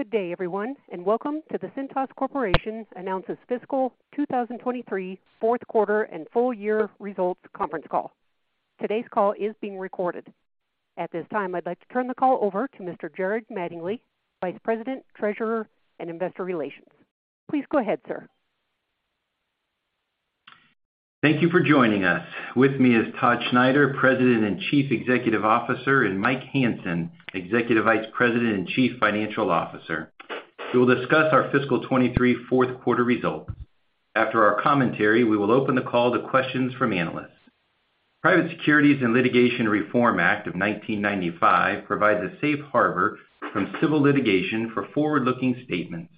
Good day, everyone, welcome to the Cintas Corporation announces Fiscal 2023 fourth quarter and full year results conference call. Today's call is being recorded. At this time, I'd like to turn the call over to Mr. Jared Mattingley, Vice President, Treasurer, and Investor Relations. Please go ahead, sir. Thank you for joining us. With me is Todd Schneider, President and Chief Executive Officer, and Mike Hansen, Executive Vice President and Chief Financial Officer. We will discuss our fiscal 2023 fourth quarter results. After our commentary, we will open the call to questions from analysts. Private Securities Litigation Reform Act of 1995 provides a safe harbor from civil litigation for forward-looking statements.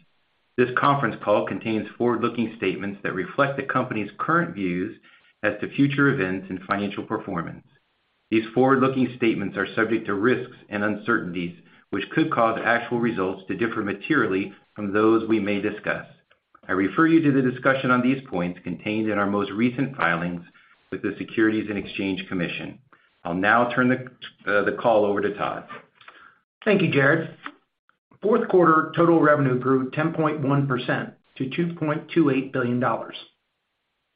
This conference call contains forward-looking statements that reflect the company's current views as to future events and financial performance. These forward-looking statements are subject to risks and uncertainties, which could cause actual results to differ materially from those we may discuss. I refer you to the discussion on these points contained in our most recent filings with the Securities and Exchange Commission. I'll now turn the call over to Todd. Thank you, Jared. Fourth quarter total revenue grew 10.1% to $2.28 billion.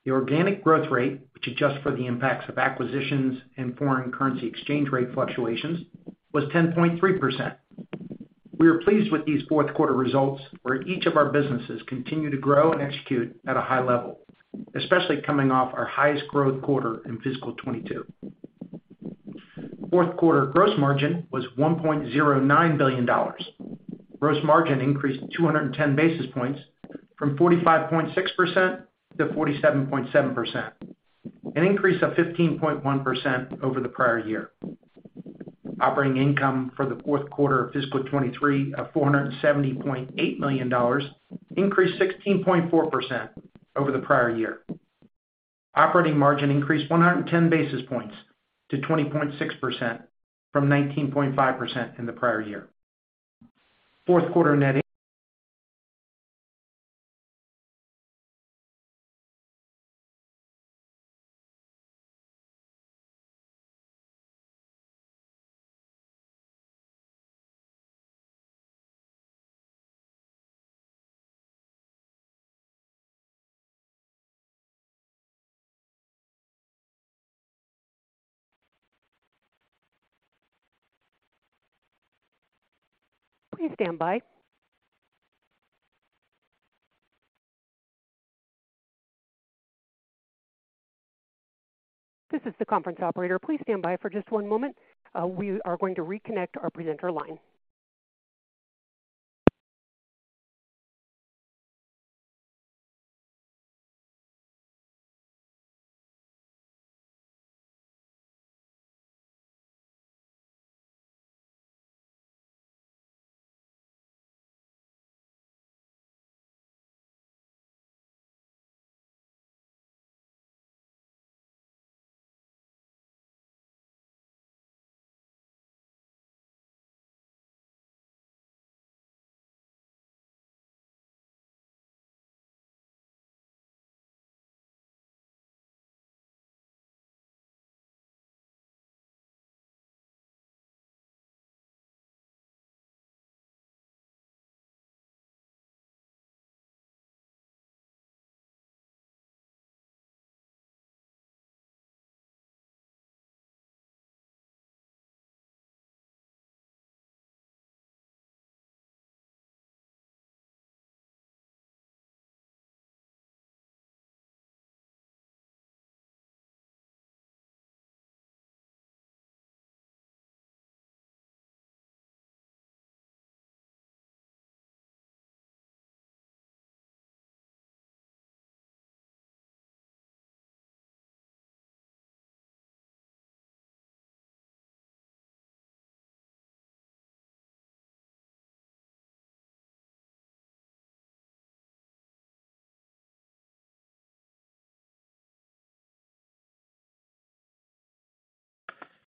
The organic growth rate, which adjusts for the impacts of acquisitions and foreign currency exchange rate fluctuations, was 10.3%. We are pleased with these fourth quarter results, where each of our businesses continue to grow and execute at a high level, especially coming off our highest growth quarter in fiscal 2022. Fourth quarter gross margin was $1.09 billion. Gross margin increased 210 basis points from 45.6% to 47.7%, an increase of 15.1% over the prior year. Operating income for the fourth quarter of fiscal 2023 of $470.8 million increased 16.4% over the prior year. Operating margin increased 110 basis points to 20.6% from 19.5% in the prior year. Fourth quarter net. Please stand by. This is the conference operator. Please stand by for just one moment. We are going to reconnect our presenter line.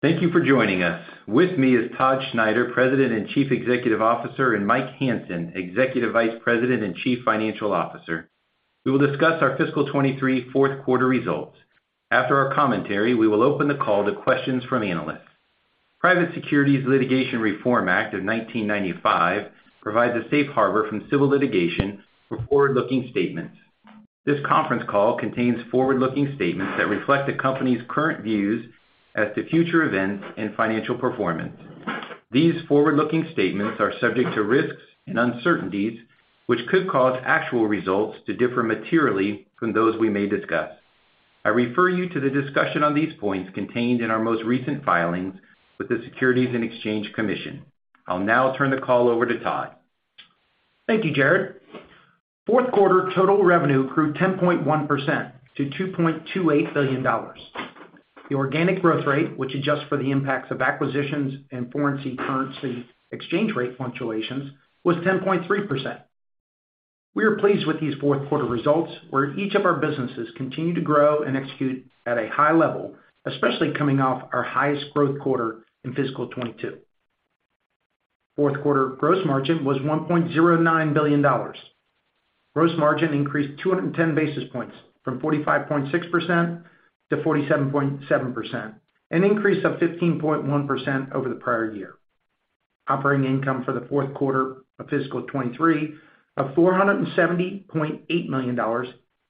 Thank you for joining us. With me is Todd Schneider, President and Chief Executive Officer, and Mike Hansen, Executive Vice President and Chief Financial Officer. We will discuss our fiscal 2023 fourth quarter results. After our commentary, we will open the call to questions from analysts. Private Securities Litigation Reform Act of 1995 provides a safe harbor from civil litigation for forward-looking statements. This conference call contains forward-looking statements that reflect the company's current views as to future events and financial performance. These forward-looking statements are subject to risks and uncertainties, which could cause actual results to differ materially from those we may discuss. I refer you to the discussion on these points contained in our most recent filings with the Securities and Exchange Commission. I'll now turn the call over to Todd. Thank you, Jared. Fourth quarter total revenue grew 10.1% to $2.28 billion. The organic growth rate, which adjusts for the impacts of acquisitions and foreign currency exchange rate fluctuations, was 10.3%. We are pleased with these fourth quarter results, where each of our businesses continue to grow and execute at a high level, especially coming off our highest growth quarter in fiscal 2022. Fourth quarter gross margin was $1.09 billion. Gross margin increased 210 basis points from 45.6% to 47.7%, an increase of 15.1% over the prior year. Operating income for the fourth quarter of fiscal 2023 of $470.8 million,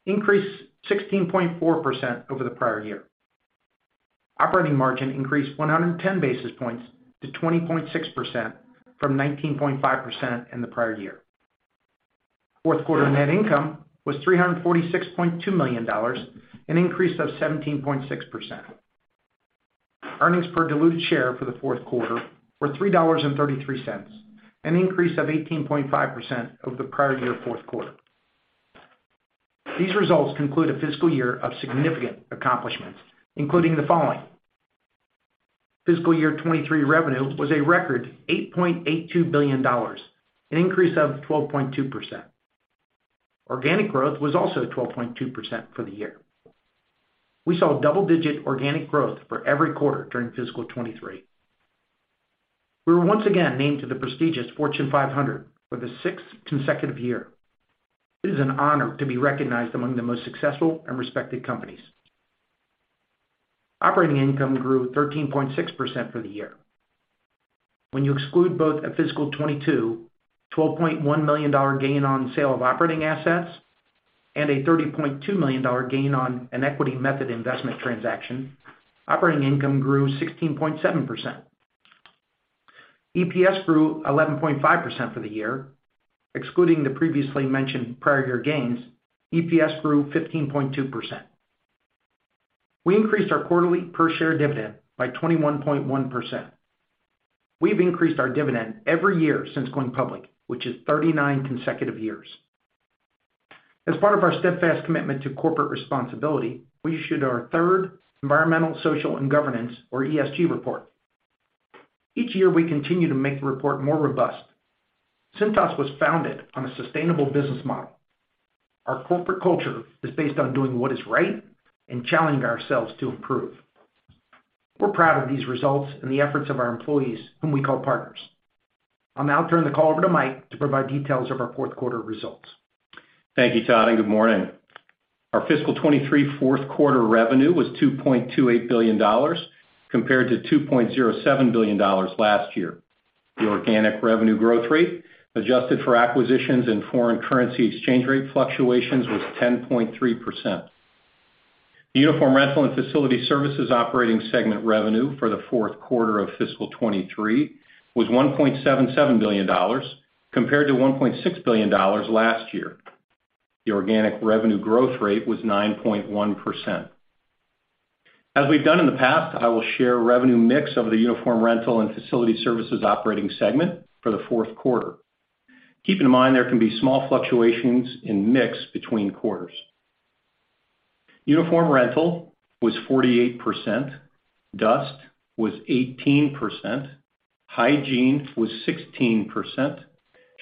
increased 16.4% over the prior year. Operating margin increased 110 basis points to 20.6% from 19.5% in the prior year. Fourth quarter net income was $346.2 million, an increase of 17.6%. Earnings per diluted share for the fourth quarter were $3.33, an increase of 18.5% over the prior year fourth quarter. These results conclude a fiscal year of significant accomplishments, including the following: fiscal year 2023 revenue was a record $8.82 billion, an increase of 12.2%. Organic growth was also 12.2% for the year. We saw double-digit organic growth for every quarter during fiscal 2023. We were once again named to the prestigious Fortune 500 for the sixth consecutive year. It is an honor to be recognized among the most successful and respected companies. Operating income grew 13.6% for the year. When you exclude both a fiscal 2022, $12.1 million gain on sale of operating assets and a $30.2 million gain on an equity method investment transaction, operating income grew 16.7%. EPS grew 11.5% for the year, excluding the previously mentioned prior year gains, EPS grew 15.2%. We increased our quarterly per share dividend by 21.1%. We have increased our dividend every year since going public, which is 39 consecutive years. As part of our steadfast commitment to corporate responsibility, we issued our third Environmental, Social and Governance, or ESG, report. Each year, we continue to make the report more robust. Cintas was founded on a sustainable business model. Our corporate culture is based on doing what is right and challenging ourselves to improve. We're proud of these results and the efforts of our employees, whom we call partners. I'll now turn the call over to Mike to provide details of our fourth quarter results. Thank you, Todd. Good morning. Our fiscal 2023 fourth quarter revenue was $2.28 billion, compared to $2.07 billion last year. The organic revenue growth rate, adjusted for acquisitions and foreign currency exchange rate fluctuations, was 10.3%. The Uniform Rental and Facility Services operating segment revenue for the fourth quarter of fiscal 2023 was $1.77 billion, compared to $1.6 billion last year. The organic revenue growth rate was 9.1%. As we've done in the past, I will share revenue mix of the Uniform Rental and Facility Services operating segment for the fourth quarter. Keep in mind, there can be small fluctuations in mix between quarters. Uniform Rental was 48%, dust was 18%, hygiene was 16%,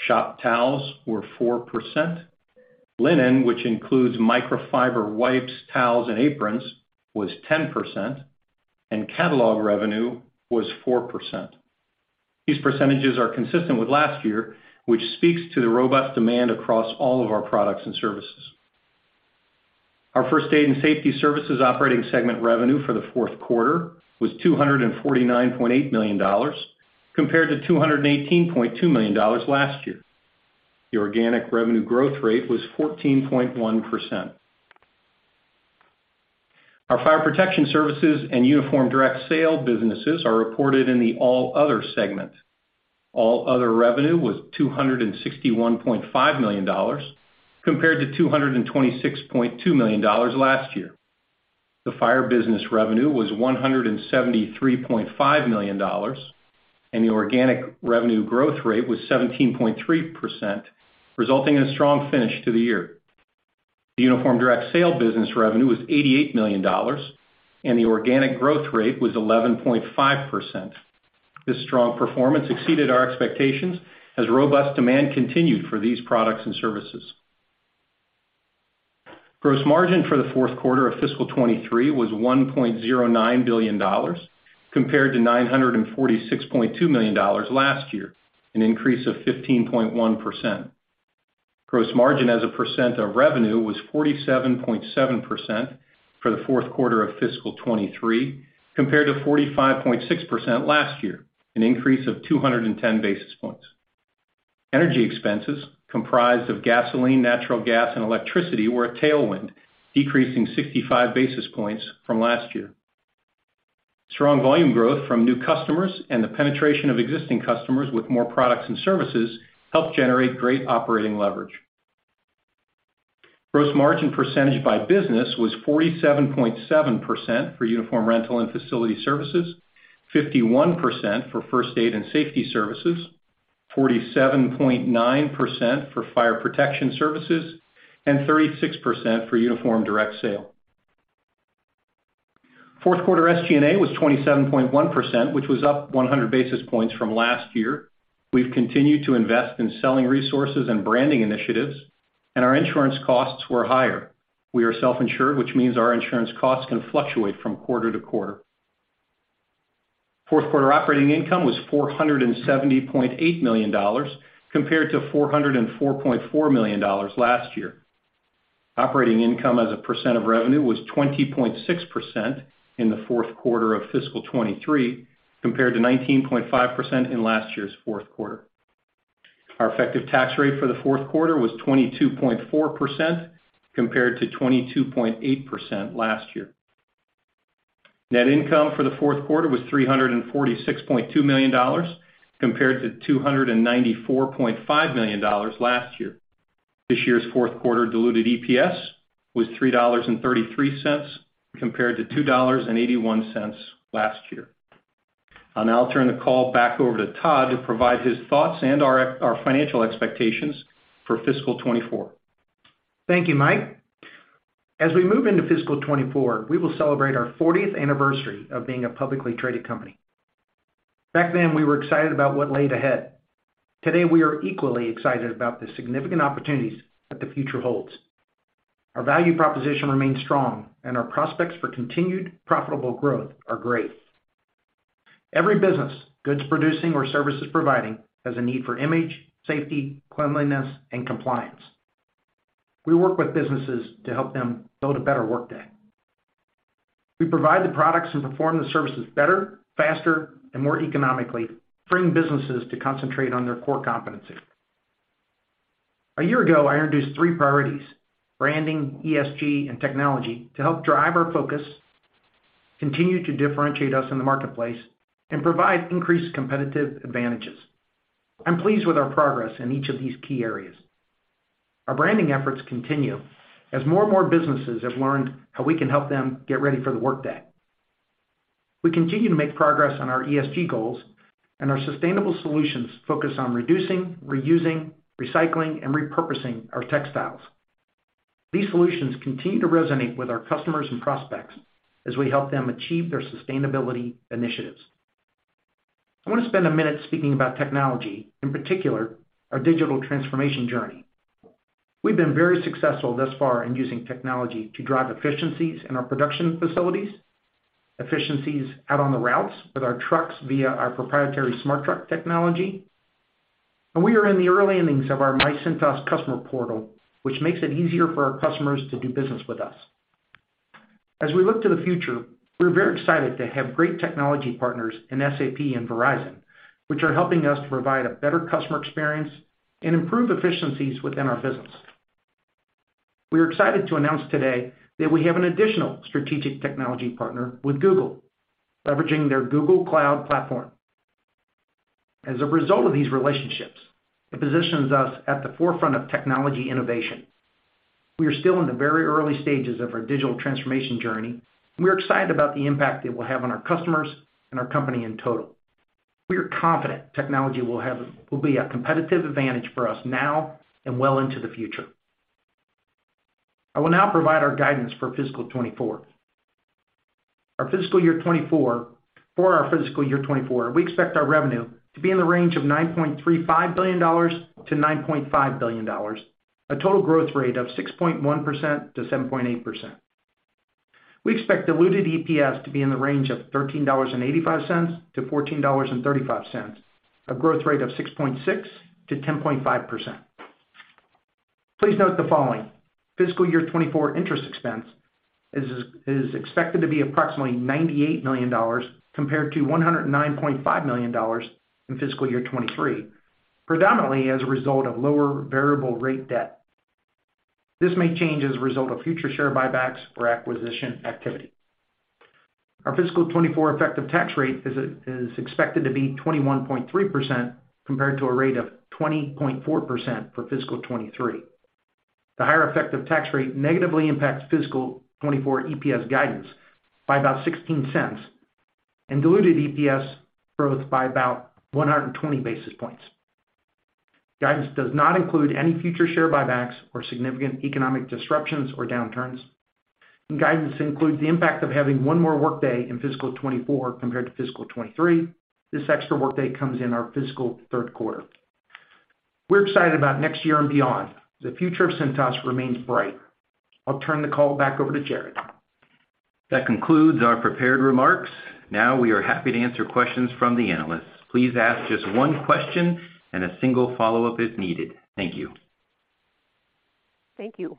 shop towels were 4%, linen, which includes microfiber wipes, towels, and aprons, was 10%, and catalog revenue was 4%. These percentages are consistent with last year, which speaks to the robust demand across all of our products and services. Our First Aid and Safety Services operating segment revenue for the fourth quarter was $249.8 million, compared to $218.2 million last year. The organic revenue growth rate was 14.1%. Our Fire Protection Services and Uniform Direct Sale businesses are reported in the All Other segment. All Other revenue was $261.5 million, compared to $226.2 million last year. The Fire business revenue was $173.5 million, and the organic revenue growth rate was 17.3%, resulting in a strong finish to the year. The Uniform Direct Sale business revenue was $88 million, and the organic growth rate was 11.5%. This strong performance exceeded our expectations as robust demand continued for these products and services. Gross margin for the fourth quarter of fiscal 2023 was $1.09 billion, compared to $946.2 million last year, an increase of 15.1%. Gross margin as a percent of revenue was 47.7% for the fourth quarter of fiscal 2023, compared to 45.6% last year, an increase of 210 basis points. Energy expenses, comprised of gasoline, natural gas, and electricity, were a tailwind, decreasing 65 basis points from last year. Strong volume growth from new customers and the penetration of existing customers with more products and services helped generate great operating leverage. Gross margin percentage by business was 47.7% for Uniform Rental and Facility Services, 51% for First Aid and Safety Services, 47.9% for Fire Protection Services, and 36% for Uniform Direct Sale. Fourth quarter SG&A was 27.1%, which was up 100 basis points from last year. We've continued to invest in selling resources and branding initiatives, and our insurance costs were higher. We are self-insured, which means our insurance costs can fluctuate from quarter to quarter. Fourth quarter operating income was $470.8 million compared to $404.4 million last year. Operating income as a percent of revenue was 20.6% in the fourth quarter of fiscal 2023, compared to 19.5% in last year's fourth quarter. Our effective tax rate for the fourth quarter was 22.4%, compared to 22.8% last year. Net income for the fourth quarter was $346.2 million, compared to $294.5 million last year. This year's fourth quarter diluted EPS was $3.33, compared to $2.81 last year. I'll now turn the call back over to Todd to provide his thoughts and our financial expectations for fiscal 2024. Thank you, Mike. As we move into fiscal 2024, we will celebrate our fortieth anniversary of being a publicly traded company. Back then, we were excited about what laid ahead. Today, we are equally excited about the significant opportunities that the future holds. Our value proposition remains strong, and our prospects for continued profitable growth are great. Every business, goods producing or services providing, has a need for image, safety, cleanliness, and compliance. We work with businesses to help them build a better workday. We provide the products and perform the services better, faster, and more economically, freeing businesses to concentrate on their core competencies. A year ago, I introduced three priorities, branding, ESG, and technology, to help drive our focus, continue to differentiate us in the marketplace, and provide increased competitive advantages. I'm pleased with our progress in each of these key areas. Our branding efforts continue as more and more businesses have learned how we can help them get ready for the workday. We continue to make progress on our ESG goals, and our sustainable solutions focus on reducing, reusing, recycling and repurposing our textiles. These solutions continue to resonate with our customers and prospects as we help them achieve their sustainability initiatives. I want to spend a minute speaking about technology, in particular, our digital transformation journey. We've been very successful thus far in using technology to drive efficiencies in our production facilities, efficiencies out on the routes with our trucks via our proprietary SmartTruck technology, and we are in the early innings of our myCintas customer portal, which makes it easier for our customers to do business with us. As we look to the future, we're very excited to have great technology partners in SAP and Verizon, which are helping us to provide a better customer experience and improve efficiencies within our business. We are excited to announce today that we have an additional strategic technology partner with Google, leveraging their Google Cloud platform. As a result of these relationships, it positions us at the forefront of technology innovation. We are still in the very early stages of our digital transformation journey, and we're excited about the impact it will have on our customers and our company in total. We are confident technology will be a competitive advantage for us now and well into the future. I will now provide our guidance for fiscal 2024. Our fiscal year 2024, we expect our revenue to be in the range of $9.35 billion-$9.5 billion, a total growth rate of 6.1%-7.8%. We expect diluted EPS to be in the range of $13.85-$14.35, a growth rate of 6.6%-10.5%. Please note the following: fiscal year 2024 interest expense is expected to be approximately $98 million compared to $109.5 million in fiscal year 2023, predominantly as a result of lower variable rate debt. This may change as a result of future share buybacks or acquisition activity. Our fiscal 2024 effective tax rate is expected to be 21.3%, compared to a rate of 20.4% for fiscal 2023. The higher effective tax rate negatively impacts fiscal 2024 EPS guidance by about $0.16 and diluted EPS growth by about 120 basis points. Guidance does not include any future share buybacks or significant economic disruptions or downturns. Guidance includes the impact of having one more workday in fiscal 2024 compared to fiscal 2023. This extra workday comes in our fiscal third quarter. We're excited about next year and beyond. The future of Cintas remains bright. I'll turn the call back over to Jared. That concludes our prepared remarks. Now, we are happy to answer questions from the analysts. Please ask just one question and a single follow-up if needed. Thank you. Thank you.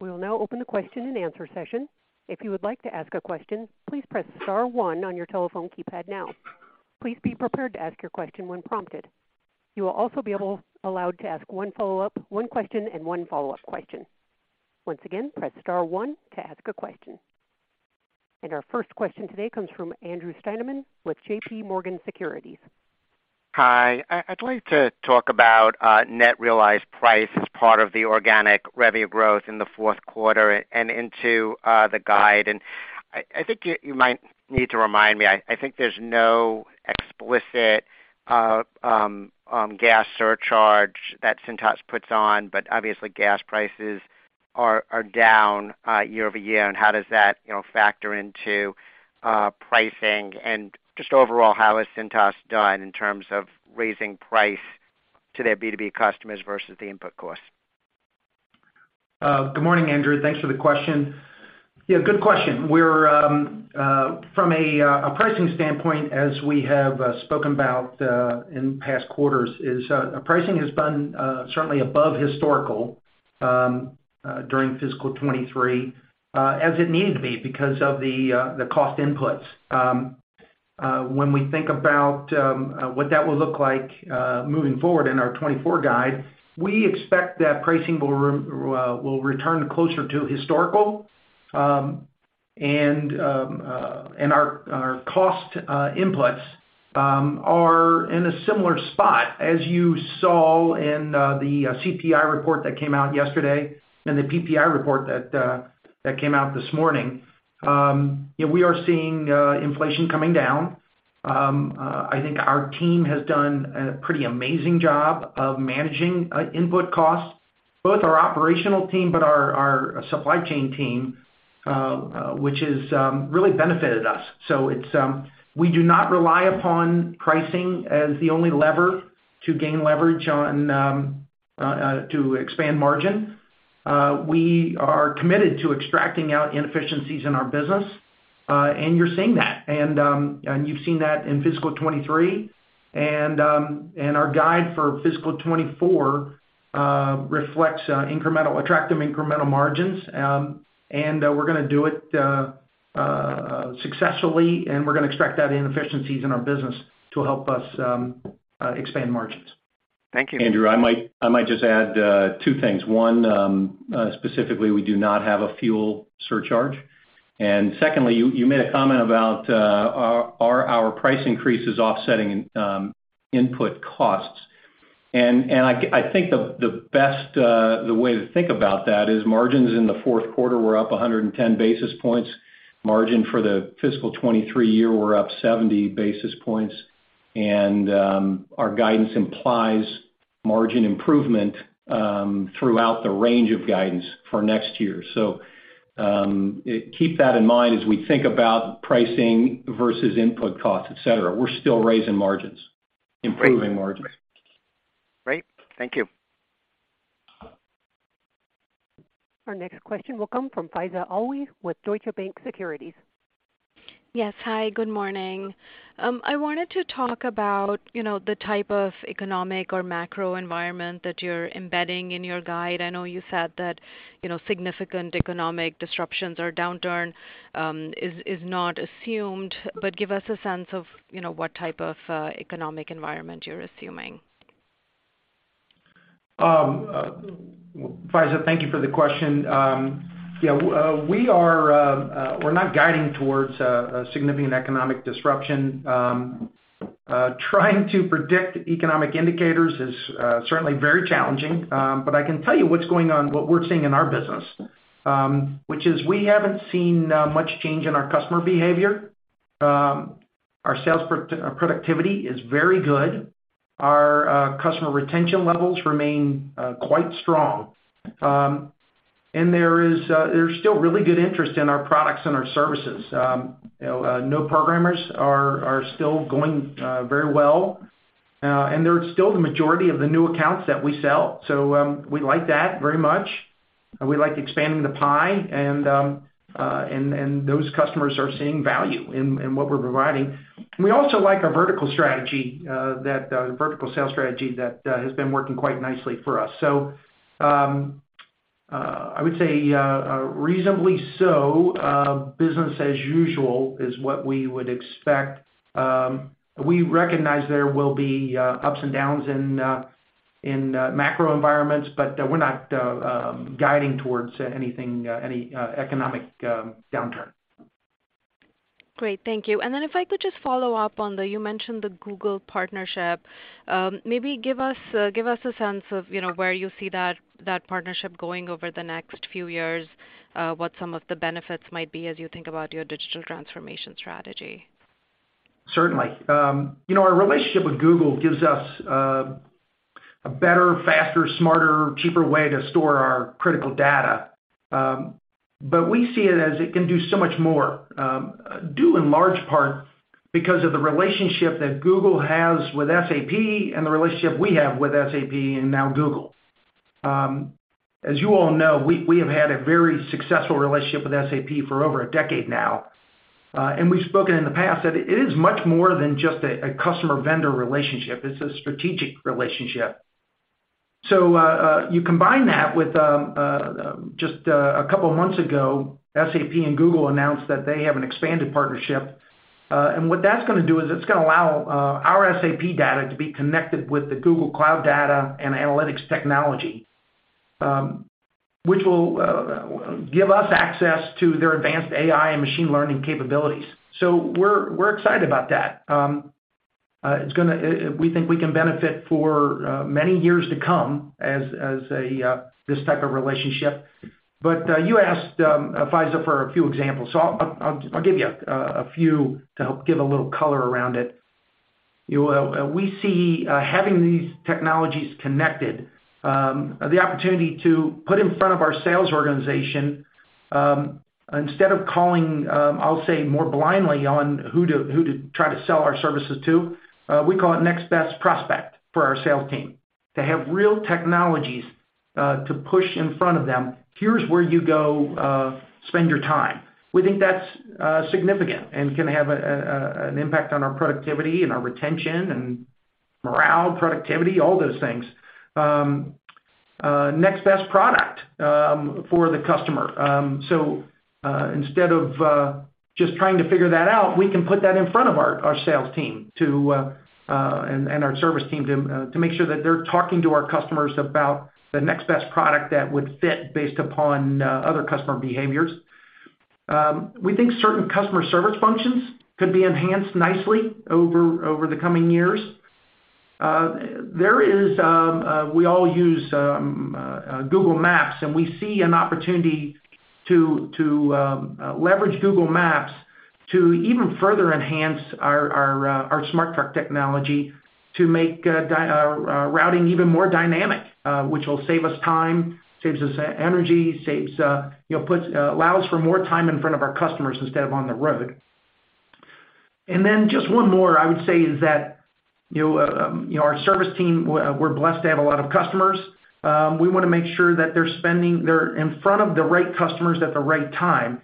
We will now open the Q&A session. If you would like to ask a question, please press star one on your telephone keypad now. Please be prepared to ask your question when prompted. You will also be allowed to ask one question and one follow-up question. Once again, press star one to ask a question. Our first question today comes from Andrew Steinerman with JPMorgan Securities. Hi, I'd like to talk about net realized price as part of the organic revenue growth in the fourth quarter and into the guide. I think you might need to remind me, I think there's no explicit gas surcharge that Cintas puts on, but obviously gas prices are down year-over-year. How does that, you know, factor into pricing? Just overall, how has Cintas done in terms of raising price to their B2B customers versus the input costs? Good morning, Andrew. Thanks for the question. Yeah, good question. We're from a pricing standpoint, as we have spoken about in past quarters, our pricing has been certainly above historical during fiscal 2023, as it needed to be because of the cost inputs. When we think about what that will look like moving forward in our 2024 guide, we expect that pricing will return closer to historical. Our cost inputs are in a similar spot as you saw in the CPI report that came out yesterday, and the PPI report that came out this morning. Yeah, we are seeing inflation coming down. I think our team has done a pretty amazing job of managing input costs, both our operational team, but our supply chain team, which has really benefited us. It's, we do not rely upon pricing as the only lever to gain leverage on to expand margin. We are committed to extracting out inefficiencies in our business, and you're seeing that. You've seen that in fiscal 2023, and our guide for fiscal 2024, reflects attractive incremental margins. We're gonna do it successfully, and we're gonna extract that inefficiencies in our business to help us expand margins. Thank you. Andrew, I might just add two things. One, specifically, we do not have a fuel surcharge. Secondly, you made a comment about, are our price increases offsetting input costs. I think the best way to think about that is margins in the fourth quarter were up 110 basis points. Margin for the fiscal 2023 year were up 70 basis points, and our guidance implies margin improvement throughout the range of guidance for next year. Keep that in mind as we think about pricing versus input costs, et cetera. We're still raising margins, improving margins. Great. Thank you. Our next question will come from Faiza Alwy with Deutsche Bank Securities. Yes. Hi, good morning. I wanted to talk about, you know, the type of economic or macro environment that you're embedding in your guide. I know you said that, you know, significant economic disruptions or downturn is not assumed. Give us a sense of, you know, what type of economic environment you're assuming? Faiza, thank you for the question. Yeah, we are, we're not guiding towards a significant economic disruption. Trying to predict economic indicators is certainly very challenging, but I can tell you what's going on, what we're seeing in our business, which is we haven't seen much change in our customer behavior. Our sales productivity is very good. Our customer retention levels remain quite strong. And there is, there's still really good interest in our products and our services. You know, no programmers are still going very well, and they're still the majority of the new accounts that we sell. We like that very much, and we like expanding the pie, and those customers are seeing value in what we're providing. We also like our vertical strategy that vertical sales strategy that has been working quite nicely for us. I would say reasonably so business as usual is what we would expect. We recognize there will be ups and downs in macro environments, but we're not guiding towards anything any economic downturn. Great. Thank you. If I could just follow up. You mentioned the Google partnership. maybe give us a sense of, you know, where you see that partnership going over the next few years, what some of the benefits might be as you think about your digital transformation strategy? Certainly. You know, our relationship with Google gives us a better, faster, smarter, cheaper way to store our critical data. We see it as it can do so much more, due in large part because of the relationship that Google has with SAP and the relationship we have with SAP and now Google. As you all know, we have had a very successful relationship with SAP for over a decade now, and we've spoken in the past that it is much more than just a customer-vendor relationship. It's a strategic relationship. You combine that with just a couple of months ago, SAP and Google announced that they have an expanded partnership. What that's gonna do is it's gonna allow our SAP data to be connected with the Google Cloud data and analytics technology, which will give us access to their advanced AI and machine learning capabilities. We're excited about that. It's gonna, we think we can benefit for many years to come as a this type of relationship. You asked, Faiza, for a few examples, so I'll give you a few to help give a little color around it. You know, we see having these technologies connected, the opportunity to put in front of our sales organization, instead of calling, I'll say, more blindly on who to, who to try to sell our services to, we call it next best prospect for our sales team, to have real technologies to push in front of them, here's where you go, spend your time. We think that's significant and can have a, an impact on our productivity and our retention and morale, productivity, all those things. Next best product, for the customer. Instead of just trying to figure that out, we can put that in front of our sales team and our service team to make sure that they're talking to our customers about the next best product that would fit based upon other customer behaviors. We think certain customer service functions could be enhanced nicely over the coming years. There is, we all use Google Maps, and we see an opportunity to leverage Google Maps to even further enhance our SmartTruck technology to make routing even more dynamic, which will save us time, saves us energy, saves, you know, allows for more time in front of our customers instead of on the road. Just one more I would say is that, you know, you know, our service team, we're blessed to have a lot of customers. We want to make sure that they're in front of the right customers at the right time,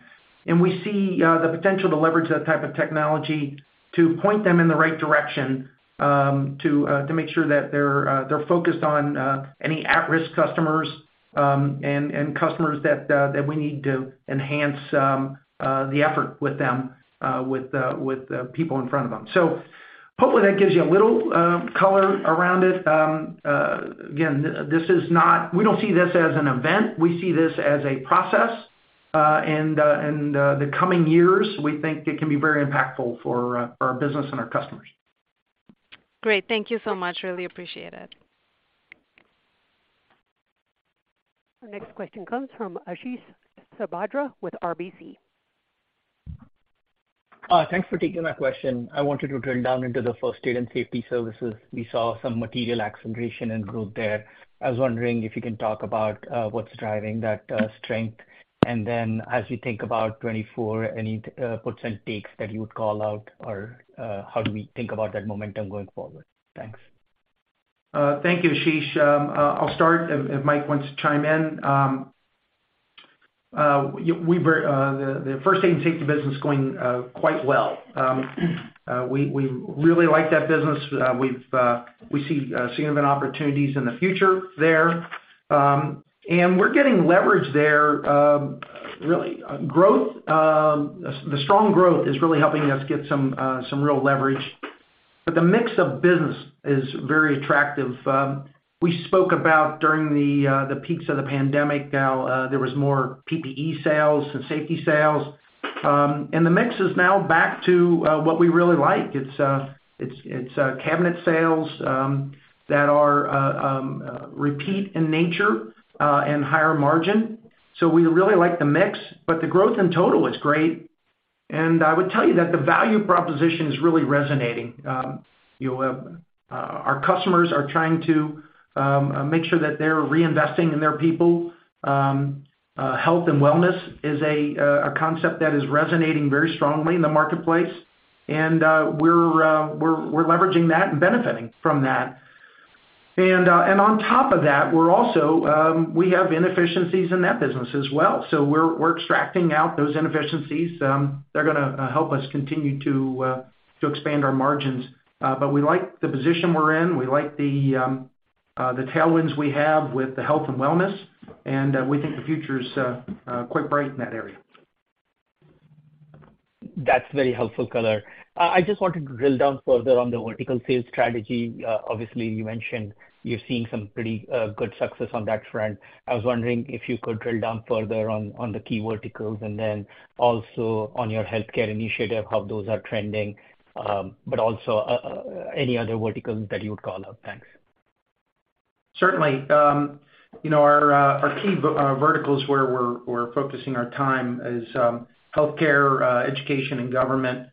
and we see the potential to leverage that type of technology to point them in the right direction, to make sure that they're focused on any at-risk customers, and customers that we need to enhance the effort with them, with the people in front of them. Hopefully, that gives you a little color around it. Again, this is not we don't see this as an event. We see this as a process, and, the coming years, we think it can be very impactful for our business and our customers. Great. Thank you so much. Really appreciate it. Our next question comes from Ashish Sabadra with RBC. Thanks for taking my question. I wanted to drill down into the First Aid and Safety Services. We saw some material acceleration and growth there. I was wondering if you can talk about what's driving that strength. As you think about 2024, any puts and takes that you would call out, or how do we think about that momentum going forward? Thanks. Thank you, Ashish. I'll start, if Mike wants to chime in. We were the First Aid and Safety Services business is going quite well. We really like that business. We've, we see significant opportunities in the future there. We're getting leverage there, really growth, the strong growth is really helping us get some real leverage, but the mix of business is very attractive. We spoke about during the peaks of the pandemic, how there was more PPE sales and safety sales. The mix is now back to what we really like. It's cabinet sales that are repeat in nature and higher margin. We really like the mix, but the growth in total is great. I would tell you that the value proposition is really resonating. you know, our customers are trying to make sure that they're reinvesting in their people. health and wellness is a concept that is resonating very strongly in the marketplace, and we're leveraging that and benefiting from that. On top of that, we're also, we have inefficiencies in that business as well. We're extracting out those inefficiencies. They're gonna help us continue to expand our margins. We like the position we're in. We like the tailwinds we have with the health and wellness, and we think the future is quite bright in that area. That's very helpful color. I just wanted to drill down further on the vertical sales strategy. obviously, you mentioned you're seeing some pretty good success on that front. I was wondering if you could drill down further on the key verticals, and then also on your healthcare initiative, how those are trending, but also any other verticals that you would call out. Thanks. Certainly. You know, our key verticals where we're focusing our time is healthcare, education, and government.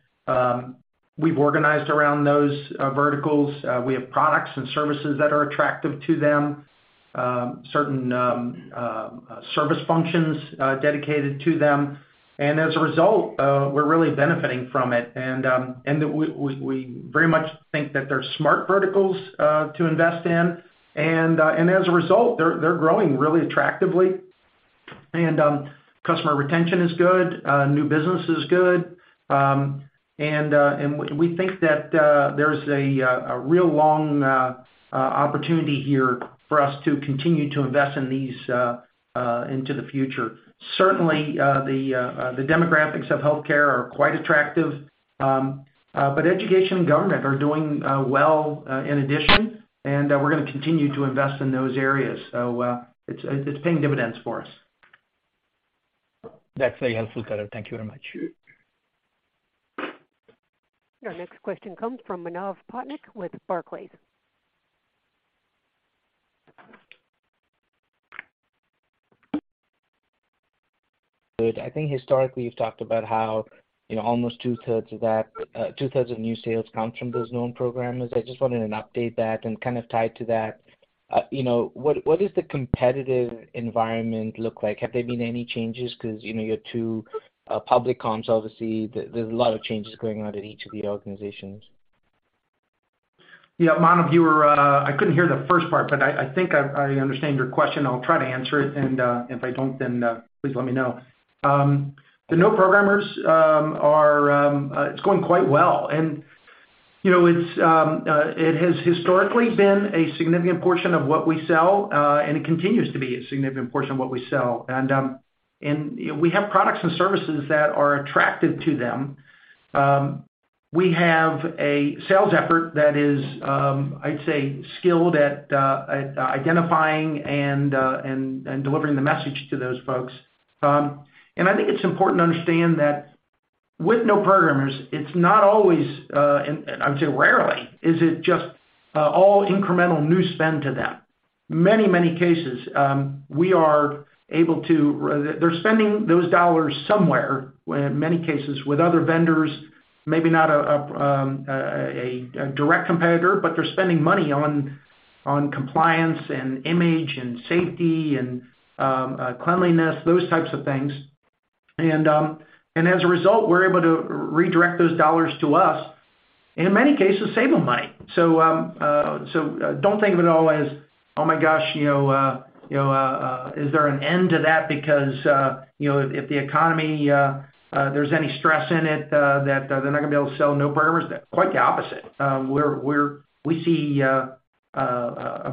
We've organized around those verticals. We have products and services that are attractive to them, certain service functions dedicated to them. As a result, we're really benefiting from it. We very much think that they're smart verticals to invest in. As a result, they're growing really attractively. Customer retention is good, new business is good. We think that there's a real long opportunity here for us to continue to invest in these into the future. Certainly, the demographics of healthcare are quite attractive, but education and government are doing well, in addition, and we're gonna continue to invest in those areas. It's, it's paying dividends for us. That's very helpful, color. Thank you very much. Our next question comes from Manav Patnaik with Barclays. Good. I think historically, you've talked about how, you know, almost two-thirds of that, two-thirds of new sales come from those known programs. I just wanted an update that and kind of tied to that, you know, what is the competitive environment look like? Have there been any changes? You're two public comms, obviously, there's a lot of changes going on at each of the organizations. Yeah, Manav, you were, I couldn't hear the first part, but I think I understand your question. I'll try to answer it, and, if I don't, then, please let me know. The no programmers are going quite well. You know, it's historically been a significant portion of what we sell, and it continues to be a significant portion of what we sell. And, you know, we have products and services that are attractive to them. We have a sales effort that is, I'd say, skilled at, identifying and delivering the message to those folks. I think it's important to understand that with no programmers, it's not always, and I would say rarely, is it just all incremental new spend to them. Many cases, we are able to, they're spending those dollars somewhere, where in many cases, with other vendors, maybe not a direct competitor, but they're spending money on compliance and image and safety and cleanliness, those types of things. As a result, we're able to redirect those dollars to us, and in many cases, save them money. So don't think of it always, oh, my gosh, you know, is there an end to that? Because, you know, if the economy, there's any stress in it, that they're not gonna be able to sell no programmers. Quite the opposite. We see a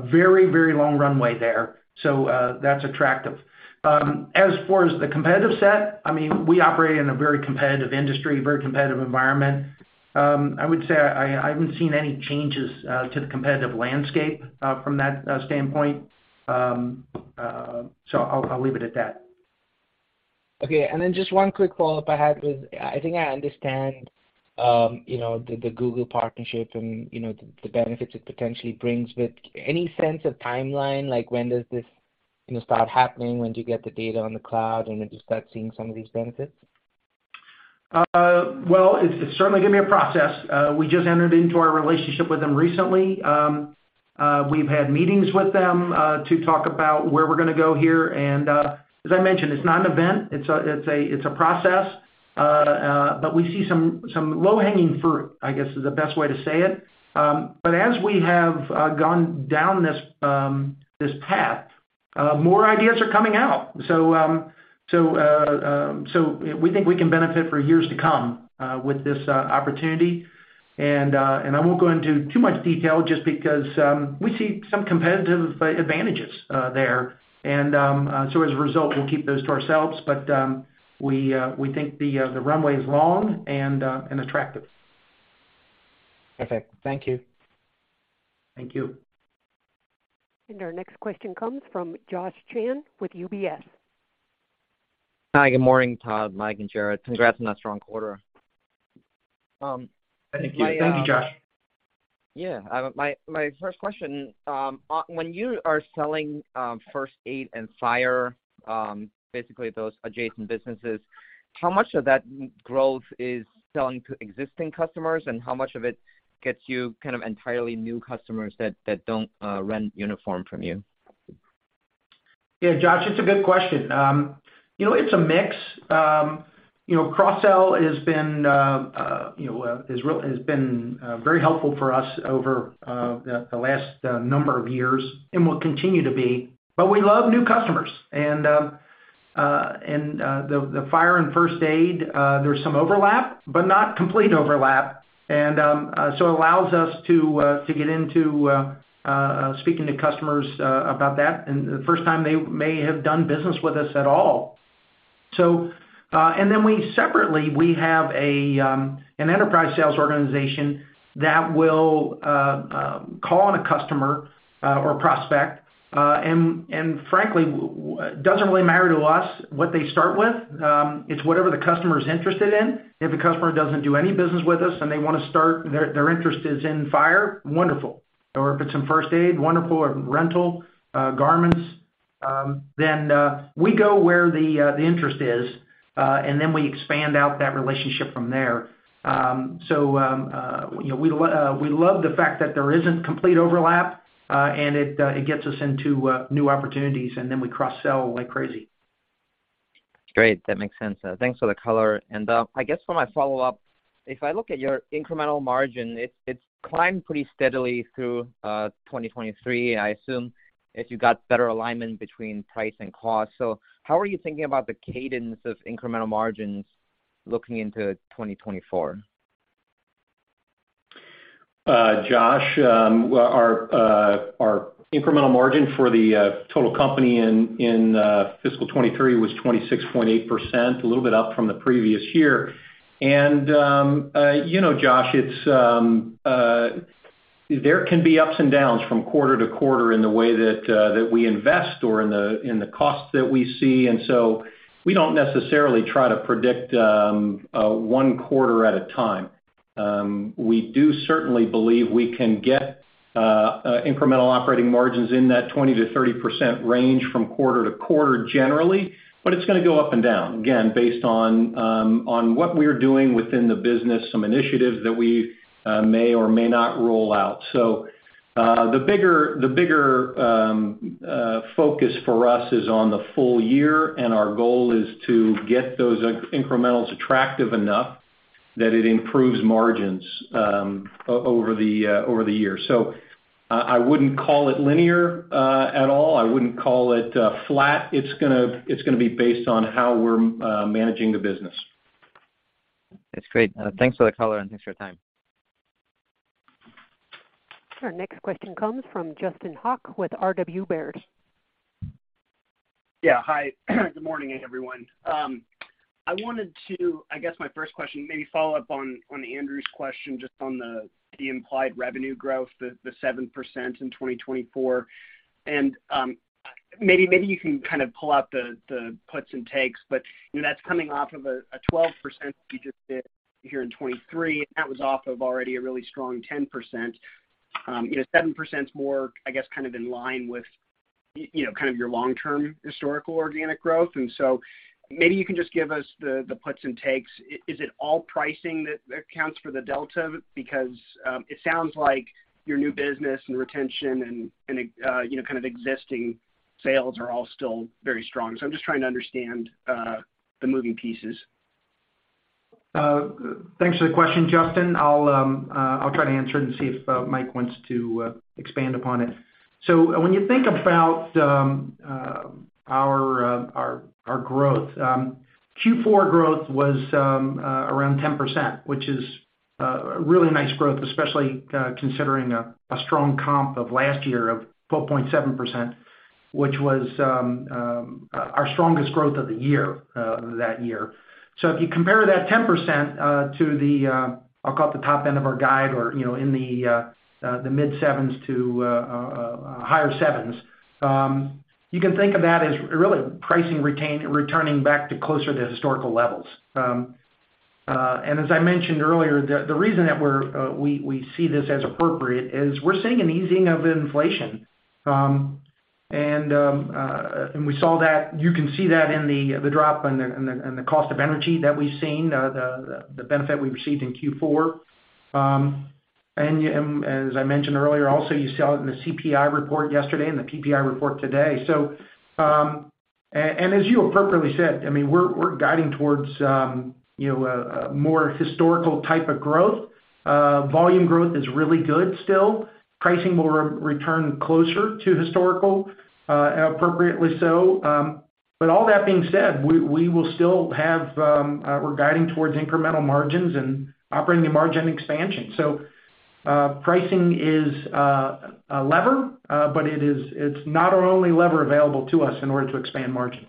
very, very long runway there, so that's attractive. As far as the competitive set, I mean, we operate in a very competitive industry, very competitive environment. I would say I haven't seen any changes to the competitive landscape from that standpoint. I'll leave it at that. Okay, then just one quick follow-up I had was, I think I understand, you know, the Google partnership and, you know, the benefits it potentially brings. Any sense of timeline, like when does this, you know, start happening? When do you get the data on the cloud, and when do you start seeing some of these benefits? Well, it's certainly going to be a process. We just entered into our relationship with them recently. We've had meetings with them to talk about where we're gonna go here. As I mentioned, it's not an event, it's a process. We see some low-hanging fruit, I guess, is the best way to say it. As we have gone down this path, more ideas are coming out. We think we can benefit for years to come with this opportunity. I won't go into too much detail just because we see some competitive advantages there. As a result, we'll keep those to ourselves. We think the runway is long and attractive. Perfect. Thank you. Thank you. Our next question comes from Josh Chan with UBS. Hi, good morning, Todd, Mike, and Jared. Congrats on that strong quarter. Thank you. Thank you, Josh. Yeah. My first question, when you are selling First Aid and Fire, basically those adjacent businesses, how much of that growth is selling to existing customers? How much of it gets you kind of entirely new customers that don't rent Uniform from you? Yeah, Josh, it's a good question. You know, it's a mix. You know, cross-sell has been very helpful for us over the last number of years and will continue to be, but we love new customers. The Fire and First Aid, there's some overlap, but not complete overlap. It allows us to get into speaking to customers about that, and the first time they may have done business with us at all. We separately, we have an enterprise sales organization that will call on a customer or prospect, and frankly, it doesn't really matter to us what they start with. It's whatever the customer is interested in. If the customer doesn't do any business with us, and they want to start, their interest is in fire, wonderful. If it's in first aid, wonderful, or rental garments, we go where the interest is, and then we expand out that relationship from there. You know, we love the fact that there isn't complete overlap, and it gets us into new opportunities, and then we cross-sell like crazy. Great, that makes sense. Thanks for the color. I guess for my follow-up, if I look at your incremental margin, it's climbed pretty steadily through 2023. I assume if you got better alignment between price and cost. How are you thinking about the cadence of incremental margins looking into 2024? Josh, well, our incremental margin for the total company in fiscal 2023 was 26.8%, a little bit up from the previous year. You know, Josh, there can be ups and downs from quarter to quarter in the way that we invest or in the costs that we see. We don't necessarily try to predict one quarter at a time. We do certainly believe we can get incremental operating margins in that 20%-30% range from quarter to quarter, generally. It's gonna go up and down, again, based on what we're doing within the business, some initiatives that we may or may not roll out. The bigger focus for us is on the full year, and our goal is to get those incrementals attractive enough that it improves margins over the year. I wouldn't call it linear at all. I wouldn't call it flat. It's gonna be based on how we're managing the business. That's great. Thanks for the color, and thanks for your time. Our next question comes from Justin Hauke with R.W. Baird. Yeah, hi. Good morning, everyone. I wanted to, I guess, my first question, maybe follow up on Andrew's question, just on the implied revenue growth, the 7% in 2024. Maybe you can kind of pull out the puts and takes, but, you know, that's coming off of a 12% you just did here in 2023, and that was off of already a really strong 10%. You know, 7%'s more, I guess, kind of in line with, you know, kind of your long-term historical organic growth. Maybe you can just give us the puts and takes. Is it all pricing that accounts for the delta? Because it sounds like your new business and retention and, you know, kind of existing sales are all still very strong. I'm just trying to understand, the moving pieces. Thanks for the question, Justin. I'll try to answer it and see if Mike wants to expand upon it. When you think about our growth, Q4 growth was around 10%, which is a really nice growth, especially considering a strong comp of last year of 4.7%, which was our strongest growth of the year that year. If you compare that 10% to the, I'll call it the top end of our guide, or, you know, in the mid-7s to higher 7s, you can think of that as really pricing returning back to closer to historical levels. As I mentioned earlier, the reason that we see this as appropriate is we're seeing an easing of inflation. You can see that in the drop in the cost of energy that we've seen, the benefit we received in Q4. As I mentioned earlier, also, you saw it in the CPI report yesterday and the PPI report today. As you appropriately said, I mean, we're guiding towards, you know, a more historical type of growth. Volume growth is really good still. Pricing will return closer to historical and appropriately so. All that being said, we will still have. We're guiding towards incremental margins and operating and margin expansion. Pricing is a lever, but it is, it's not our only lever available to us in order to expand margins.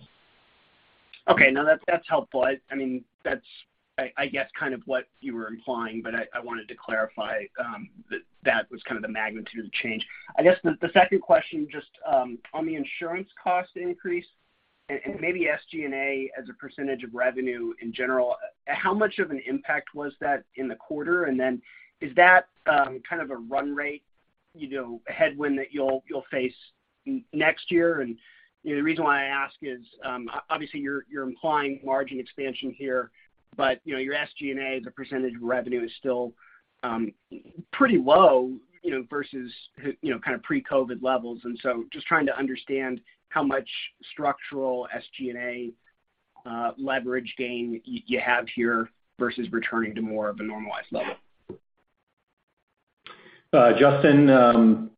Okay. No, that's helpful. I mean, that's, I guess, kind of what you were implying, but I wanted to clarify that that was kind of the magnitude of the change. I guess the second question, just on the insurance cost increase and maybe SG&A as a percentage of revenue in general, how much of an impact was that in the quarter? Is that kind of a run rate, you know, a headwind that you'll face next year? You know, the reason why I ask is, obviously, you're implying margin expansion here, but, you know, your SG&A as a percentage of revenue is still pretty low, you know, versus, you know, kind of pre-COVID levels. Just trying to understand how much structural SG&A leverage gain you have here versus returning to more of a normalized level. Justin,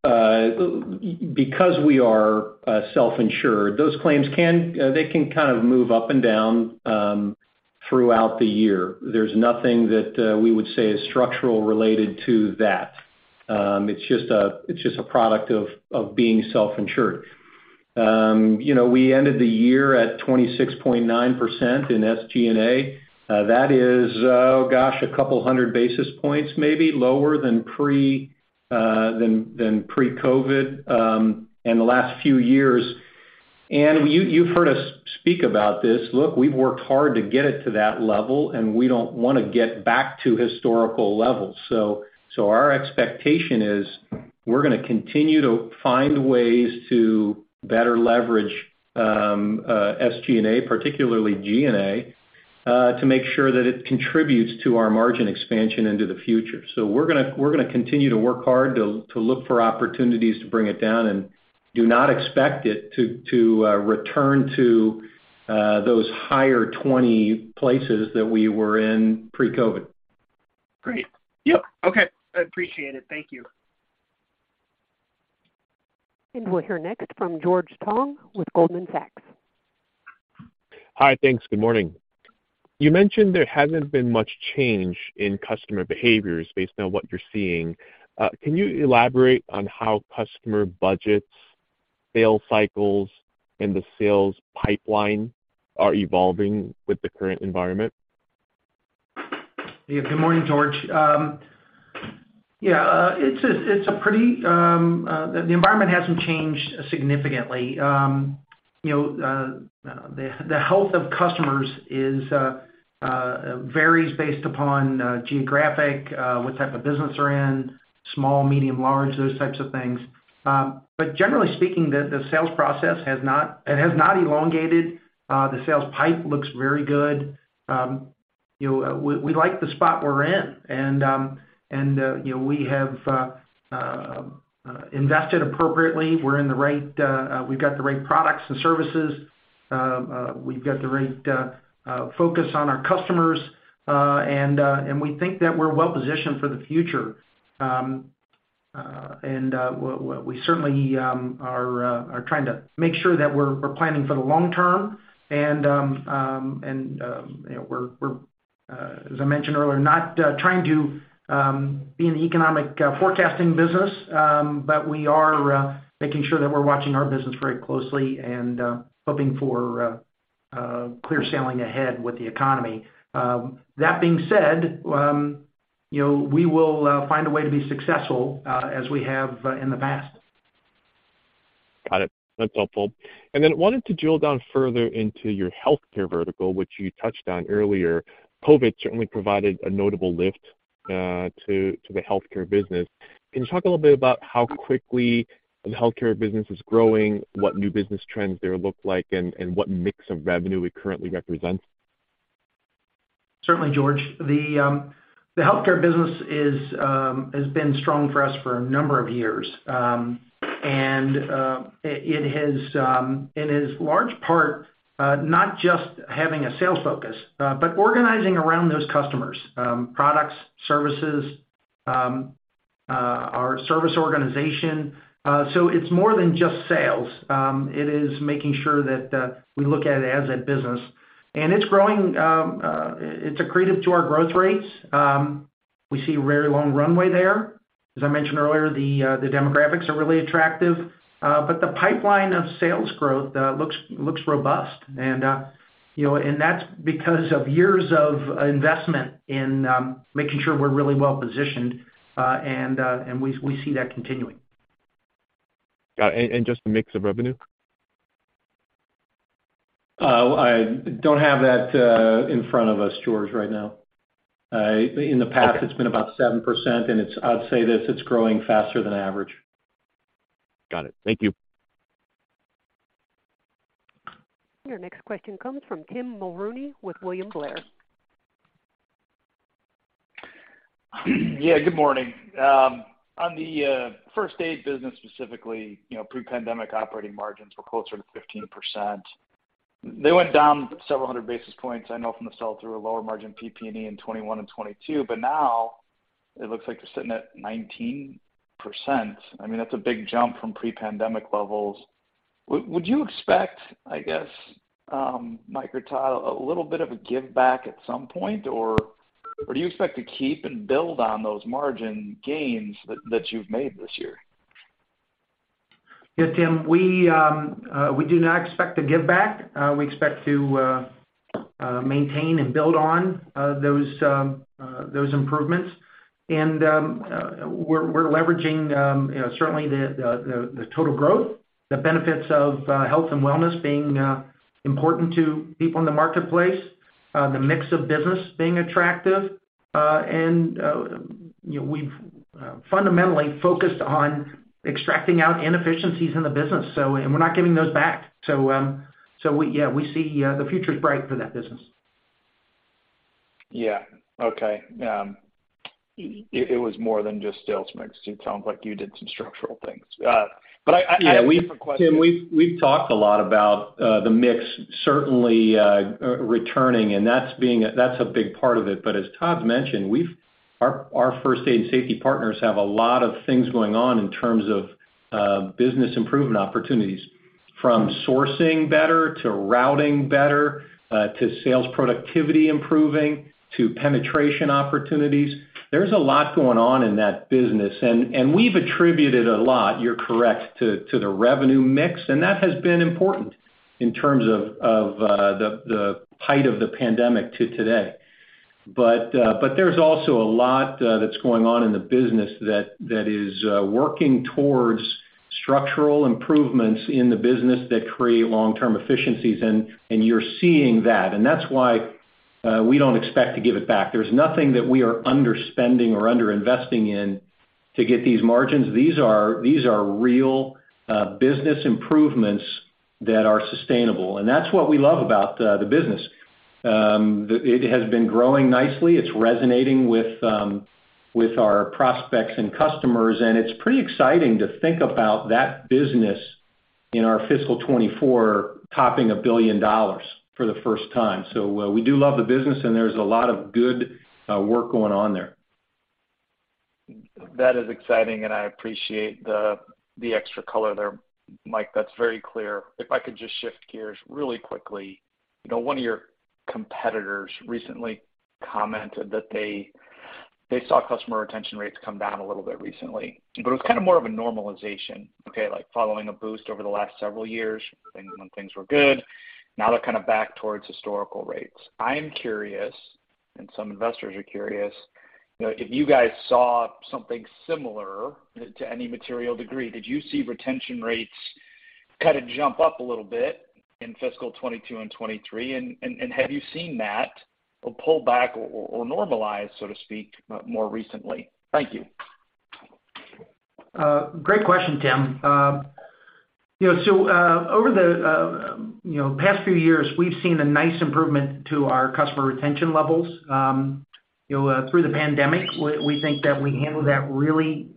because we are self-insured, those claims can they can kind of move up and down throughout the year. There's nothing that we would say is structural related to that. It's just a product of being self-insured. You know, we ended the year at 26.9% in SG&A. That is, oh, gosh, a couple hundred basis points, maybe lower than pre-COVID and the last few years. You, you've heard us speak about this. Our expectation is we're gonna continue to find ways to better leverage SG&A, particularly G&A, to make sure that it contributes to our margin expansion into the future. We're gonna continue to work hard to look for opportunities to bring it down and do not expect it to return to those higher 20 places that we were in pre-COVID. Great. Yep. Okay, I appreciate it. Thank you. We'll hear next from George Tong with Goldman Sachs. Hi. Thanks. Good morning. You mentioned there hasn't been much change in customer behaviors based on what you're seeing. Can you elaborate on how customer budgets, sales cycles, and the sales pipeline are evolving with the current environment? Yeah. Good morning, George. It's a pretty environment hasn't changed significantly. You know, the health of customers varies based upon geographic, what type of business they're in, small, medium, large, those types of things. Generally speaking, the sales process it has not elongated. The sales pipe looks very good. You know, we like the spot we're in, you know, we have invested appropriately. We've got the right products and services. We've got the right focus on our customers, we think that we're well positioned for the future. We certainly are trying to make sure that we're planning for the long term. You know, we're as I mentioned earlier, not trying to be in the economic forecasting business, but we are making sure that we're watching our business very closely and hoping for clear sailing ahead with the economy. That being said, you know, we will find a way to be successful as we have in the past. Got it. That's helpful. Wanted to drill down further into your healthcare vertical, which you touched on earlier. COVID certainly provided a notable lift to the healthcare business. Can you talk a little bit about how quickly the healthcare business is growing, what new business trends there look like, and what mix of revenue it currently represents? Certainly, George. The healthcare business has been strong for us for a number of years. It has, it is large part, not just having a sales focus, but organizing around those customers, products, services, our service organization. It's more than just sales. It is making sure that we look at it as a business. It's growing, it's accretive to our growth rates. We see very long runway there. As I mentioned earlier, the demographics are really attractive, but the pipeline of sales growth looks robust. You know, and that's because of years of investment in making sure we're really well positioned, and we see that continuing. Got it. Just the mix of revenue? I don't have that in front of us, George, right now. In the past- Okay. it's been about 7%, and I'd say this, it's growing faster than average. Got it. Thank you. Your next question comes from Tim Mulrooney with William Blair. Good morning. On the First Aid business, specifically, you know, pre-pandemic operating margins were closer to 15%. They went down several hundred basis points, I know from the sell-through, a lower margin PP&E in 2021 and 2022, but now it looks like they're sitting at 19%. I mean, that's a big jump from pre-pandemic levels. Would you expect, I guess, Mike or Todd, a little bit of a give back at some point, or do you expect to keep and build on those margin gains that you've made this year? Tim, we do not expect to give back. We expect to maintain and build on those improvements. We're leveraging, you know, certainly the total growth, the benefits of health and wellness being important to people in the marketplace, the mix of business being attractive. You know, we've fundamentally focused on extracting out inefficiencies in the business, so and we're not giving those back. We, yeah, we see the future's bright for that business. Yeah. Okay. It was more than just sales mix. It sounds like you did some structural things. I. Yeah, Tim, we've talked a lot about the mix certainly returning, and that's a big part of it. As Todd's mentioned, our First Aid and Safety Services partners have a lot of things going on in terms of business improvement opportunities, from sourcing better, to routing better, to sales productivity improving, to penetration opportunities. There's a lot going on in that business, and we've attributed a lot, you're correct, to the revenue mix, and that has been important in terms of the height of the pandemic to today. There's also a lot that's going on in the business that is working towards structural improvements in the business that create long-term efficiencies, and you're seeing that. That's why we don't expect to give it back. There's nothing that we are underspending or underinvesting in to get these margins. These are, these are real business improvements that are sustainable, and that's what we love about the business. It has been growing nicely. It's resonating with our prospects and customers, and it's pretty exciting to think about that business in our fiscal 2024 topping $1 billion for the first time. We do love the business, and there's a lot of good work going on there. That is exciting. I appreciate the extra color there. Mike, that's very clear. If I could just shift gears really quickly. You know, one of your competitors recently commented that they saw customer retention rates come down a little bit recently, but it was kind of more of a normalization, okay, like following a boost over the last several years when things were good. Now they're kind of back towards historical rates. I'm curious, some investors are curious, you know, if you guys saw something similar to any material degree. Did you see retention rates kind of jump up a little bit in fiscal 2022 and 2023? Have you seen that pull back or normalize, so to speak, more recently? Thank you. Great question, Tim. You know, so, over the, you know, past few years, we've seen a nice improvement to our customer retention levels. You know, through the pandemic, we think that we handled that really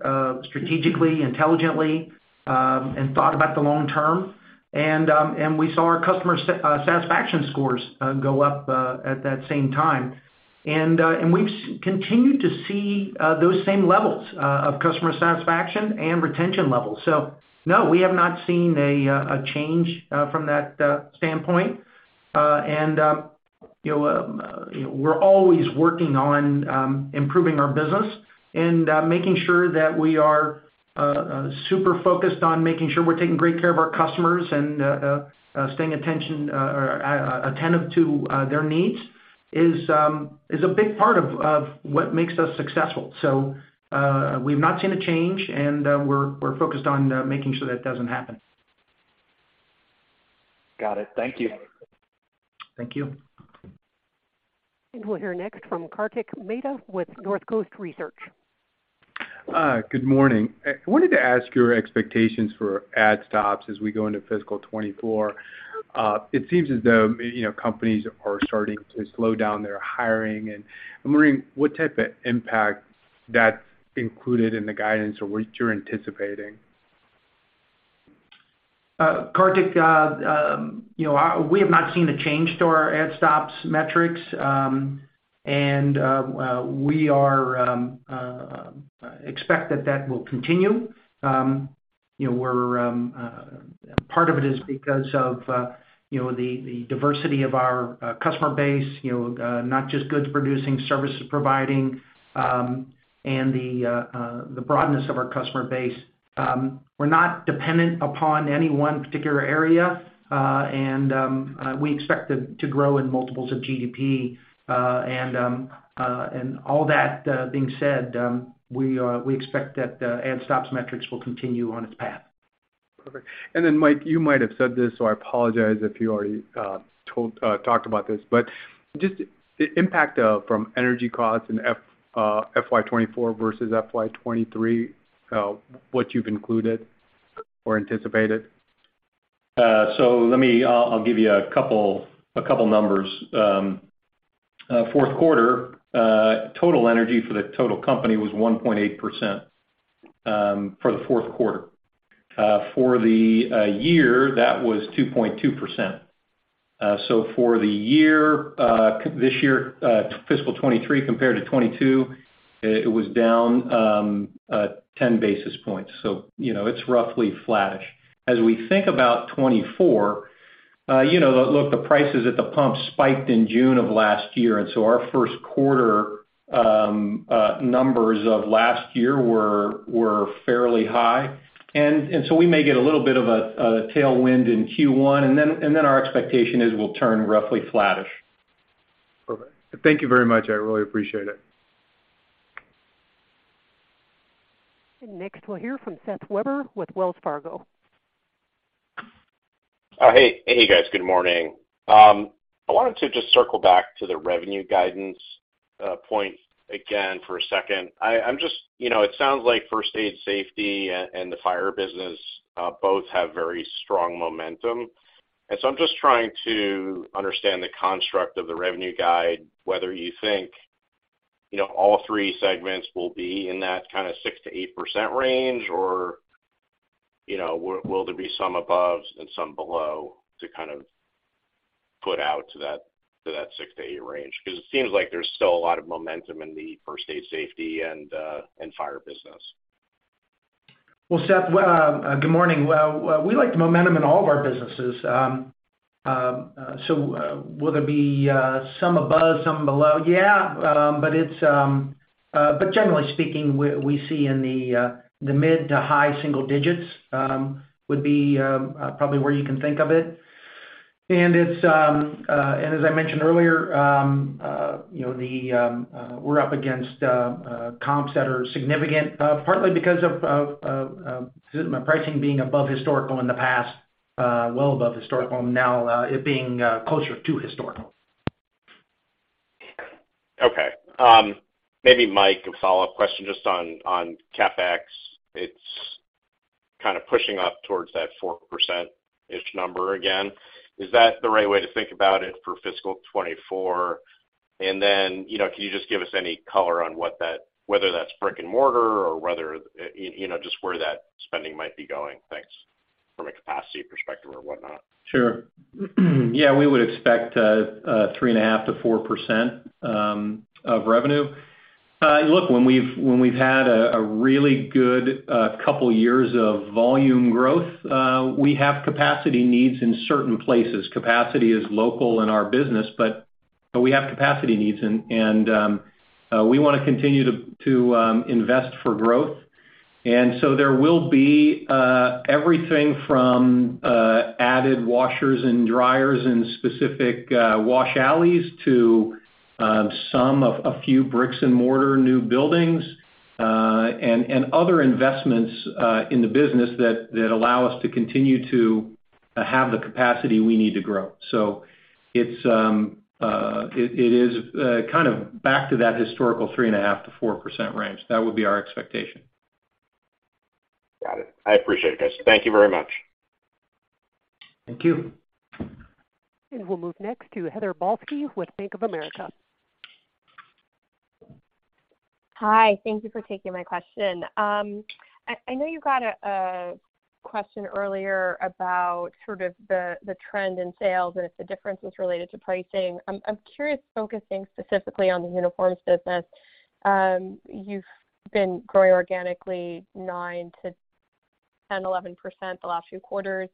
strategically, intelligently, and thought about the long term. We saw our customer satisfaction scores go up at that same time. We've continued to see those same levels of customer satisfaction and retention levels. No, we have not seen a change from that standpoint. You know, we're always working on improving our business and making sure that we are super focused on making sure we're taking great care of our customers and attentive to their needs is a big part of what makes us successful. We've not seen a change, and we're focused on making sure that doesn't happen. Got it. Thank you. Thank you. We'll hear next from Kartik Mehta with Northcoast Research. Good morning. I wanted to ask your expectations for add stops as we go into fiscal 2024. It seems as though, you know, companies are starting to slow down their hiring, and I'm wondering what type of impact that's included in the guidance or what you're anticipating. Kartik, you know, we have not seen a change to our add stops metrics. We are expect that that will continue. You know, we're part of it is because of, you know, the diversity of our customer base, you know, not just goods producing, services providing, and the broadness of our customer base. We're not dependent upon any one particular area, and we expect it to grow in multiples of GDP. All that being said, we expect that add stops metrics will continue on its path. Perfect. Mike, you might have said this, so I apologize if you already talked about this, but just the impact from energy costs in FY 2024 versus FY 2023, what you've included or anticipated. Let me, I'll give you a couple numbers. Fourth quarter, total energy for the total company was 1.8% for the fourth quarter. For the year, that was 2.2%. For the year, this year, fiscal 2023 compared to 2022, it was down 10 basis points. You know, it's roughly flattish. As we think about 2024, you know, look, the prices at the pump spiked in June of last year, our first quarter numbers of last year were fairly high. We may get a little bit of a tailwind in Q1, and then our expectation is we'll turn roughly flattish. Perfect. Thank you very much. I really appreciate it. Next, we'll hear from Seth Weber with Wells Fargo. Hey, hey, guys. Good morning. I wanted to just circle back to the revenue guidance point again for a second. I'm just, you know, it sounds like First Aid and Safety, and the Fire Protection Services business both have very strong momentum, and so I'm just trying to understand the construct of the revenue guide, whether you think, you know, all three segments will be in that kind of 6%-8% range, or, you know, will there be some above and some below to kind of put out to that, to that 6%-8% range? It seems like there's still a lot of momentum in the First Aid and Safety, and Fire Protection Services business. Well, Seth, good morning. Well, we like the momentum in all of our businesses. Will there be some above, some below? Yeah, but it's, but generally speaking, we see in the mid to high single digits would be probably where you can think of it. It's, and as I mentioned earlier, you know, we're up against comps that are significant, partly because of pricing being above historical in the past, well above historical, now, it being closer to historical. Okay. Maybe, Mike, a follow-up question just on CapEx. It's kind of pushing up towards that 4%-ish number again. Is that the right way to think about it for fiscal 2024? Then, you know, can you just give us any color on what that, whether that's brick and mortar or whether, you know, just where that spending might be going? Thanks. From a capacity perspective or whatnot. Sure. Yeah, we would expect three and a half% to 4% of revenue. Look, when we've had a really good couple years of volume growth, we have capacity needs in certain places. Capacity is local in our business, but we have capacity needs, and we wanna continue to invest for growth. There will be everything from added washers and dryers in specific wash alleys to some of a few bricks-and-mortar new buildings and other investments in the business that allow us to continue to. have the capacity we need to grow. It is kind of back to that historical 3.5%-4% range. That would be our expectation. Got it. I appreciate it, guys. Thank you very much. Thank you. We'll move next to Heather Balsky with Bank of America. Hi, thank you for taking my question. I know you got a question earlier about sort of the trend in sales and if the difference is related to pricing. I'm curious, focusing specifically on the uniforms business. You've been growing organically 9% to 10%, 11% the last few quarters.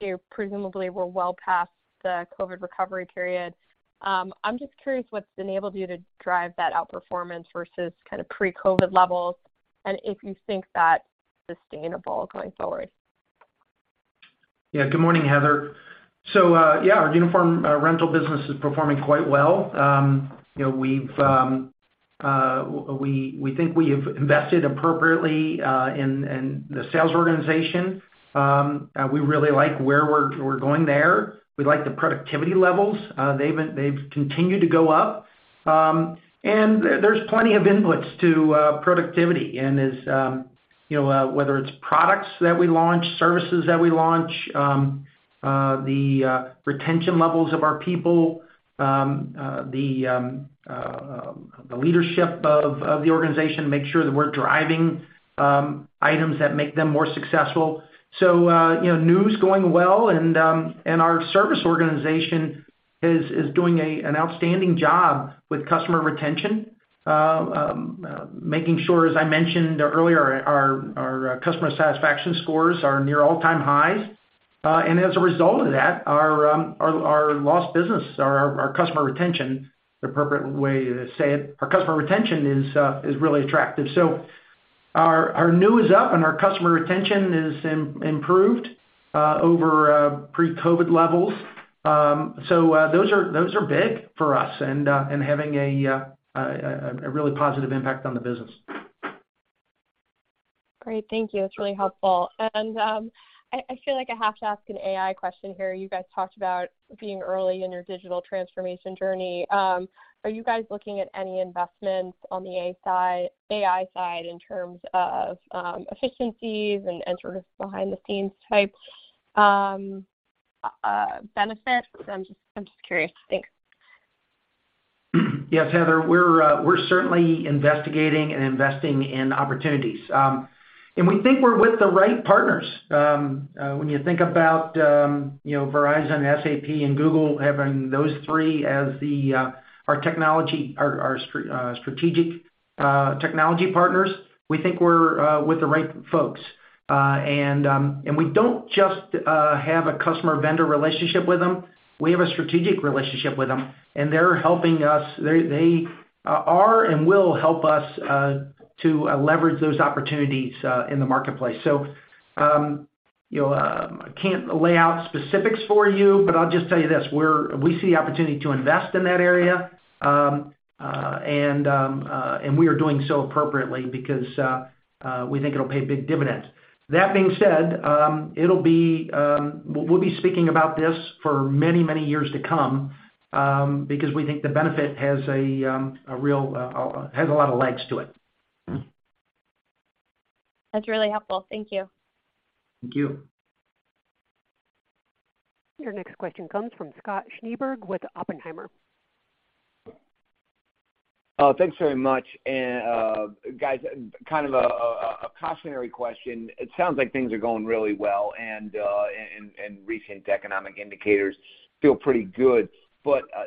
You presumably were well past the COVID recovery period. I'm just curious what's enabled you to drive that outperformance versus kind of pre-COVID levels, and if you think that's sustainable going forward? Yeah. Good morning, Heather. Yeah, our uniform rental business is performing quite well. You know, we've, we think we have invested appropriately in the sales organization. We really like where we're going there. We like the productivity levels. They've continued to go up. There's plenty of inputs to productivity. As, you know, whether it's products that we launch, services that we launch, the retention levels of our people, the leadership of the organization, make sure that we're driving items that make them more successful. You know, new is going well, and our service organization is doing an outstanding job with customer retention. Making sure, as I mentioned earlier, our customer satisfaction scores are near all-time highs. As a result of that, our lost business, our customer retention, the appropriate way to say it, our customer retention is really attractive. Our, our new is up, and our customer retention is improved over pre-COVID levels. Those are big for us and having a really positive impact on the business. Great. Thank you. That's really helpful. I feel like I have to ask an AI question here. You guys talked about being early in your digital transformation journey. Are you guys looking at any investments on the AI side in terms of efficiencies and sort of behind the scenes type benefits? I'm just curious. Thanks. Yes, Heather, we're certainly investigating and investing in opportunities. We think we're with the right partners. When you think about, you know, Verizon, SAP, and Google, having those three as our technology, our strategic technology partners, we think we're with the right folks. We don't just have a customer-vendor relationship with them, we have a strategic relationship with them, and they're helping us. They, they are and will help us to leverage those opportunities in the marketplace. You know, I can't lay out specifics for you, but I'll just tell you this: we see the opportunity to invest in that area, and we are doing so appropriately because we think it'll pay big dividends. That being said, We'll be speaking about this for many, many years to come, because we think the benefit has a lot of legs to it. That's really helpful. Thank you. Thank you. Your next question comes from Scott Schneeberger with Oppenheimer. Thanks very much. Guys, kind of a cautionary question. It sounds like things are going really well, and recent economic indicators feel pretty good.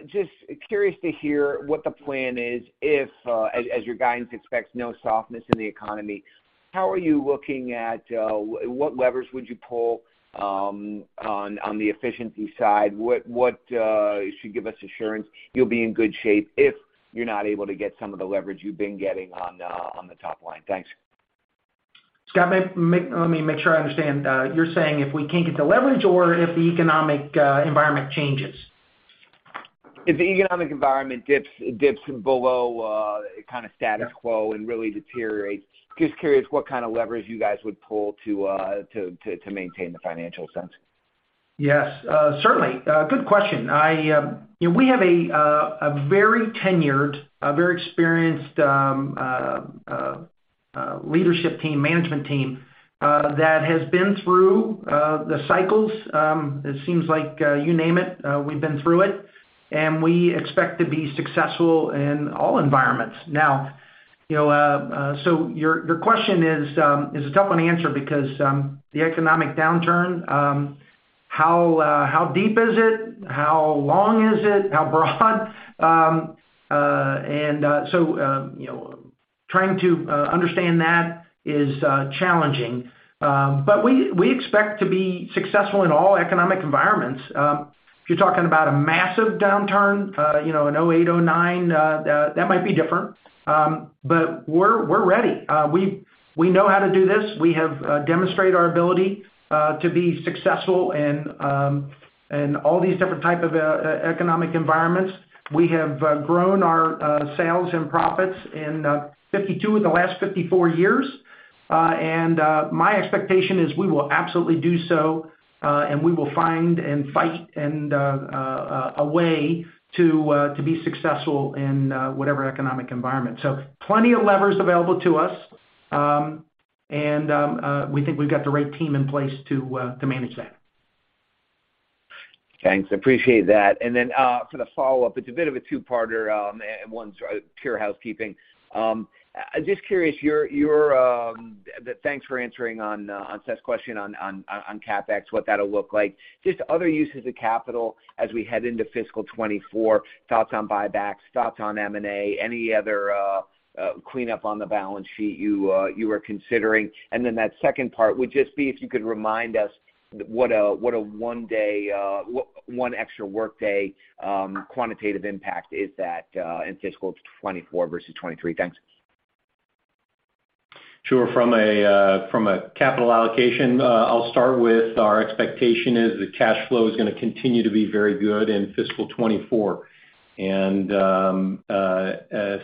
Just curious to hear what the plan is if, as your guidance expects, no softness in the economy, how are you looking at what levers would you pull on the efficiency side? What should give us assurance you'll be in good shape if you're not able to get some of the leverage you've been getting on the top line? Thanks. Scott, let me make sure I understand. You're saying if we can't get the leverage or if the economic environment changes? If the economic environment dips below, kind of status quo. Yeah And really deteriorates, just curious what kind of leverage you guys would pull to maintain the financial sense? Yes, certainly. Good question. I, you know, we have a very tenured, a very experienced leadership team, management team that has been through the cycles. It seems like, you name it, we've been through it, and we expect to be successful in all environments. You know, your question is a tough one to answer because the economic downturn, how deep is it? How long is it? How broad? You know, trying to understand that is challenging. We expect to be successful in all economic environments. If you're talking about a massive downturn, you know, in 2008, 2009, that might be different. We're ready. We know how to do this. We have demonstrated our ability to be successful in all these different type of economic environments. We have grown our sales and profits in 52 of the last 54 years. My expectation is we will absolutely do so, and we will find and fight and a way to be successful in whatever economic environment. Plenty of levers available to us. We think we've got the right team in place to manage that. Thanks, appreciate that. For the follow-up, it's a bit of a two-parter, pure housekeeping. Just curious, your thanks for answering on Seth's question on CapEx, what that'll look like. Just other uses of capital as we head into fiscal 2024, thoughts on buybacks, thoughts on M&A, any other cleanup on the balance sheet you are considering? That second part would just be if you could remind us what a, what a one-day, one extra workday, quantitative impact is that in fiscal 2024 versus 2023? Thanks. Sure. From a from a capital allocation, I'll start with our expectation is the cash flow is going to continue to be very good in fiscal 2024.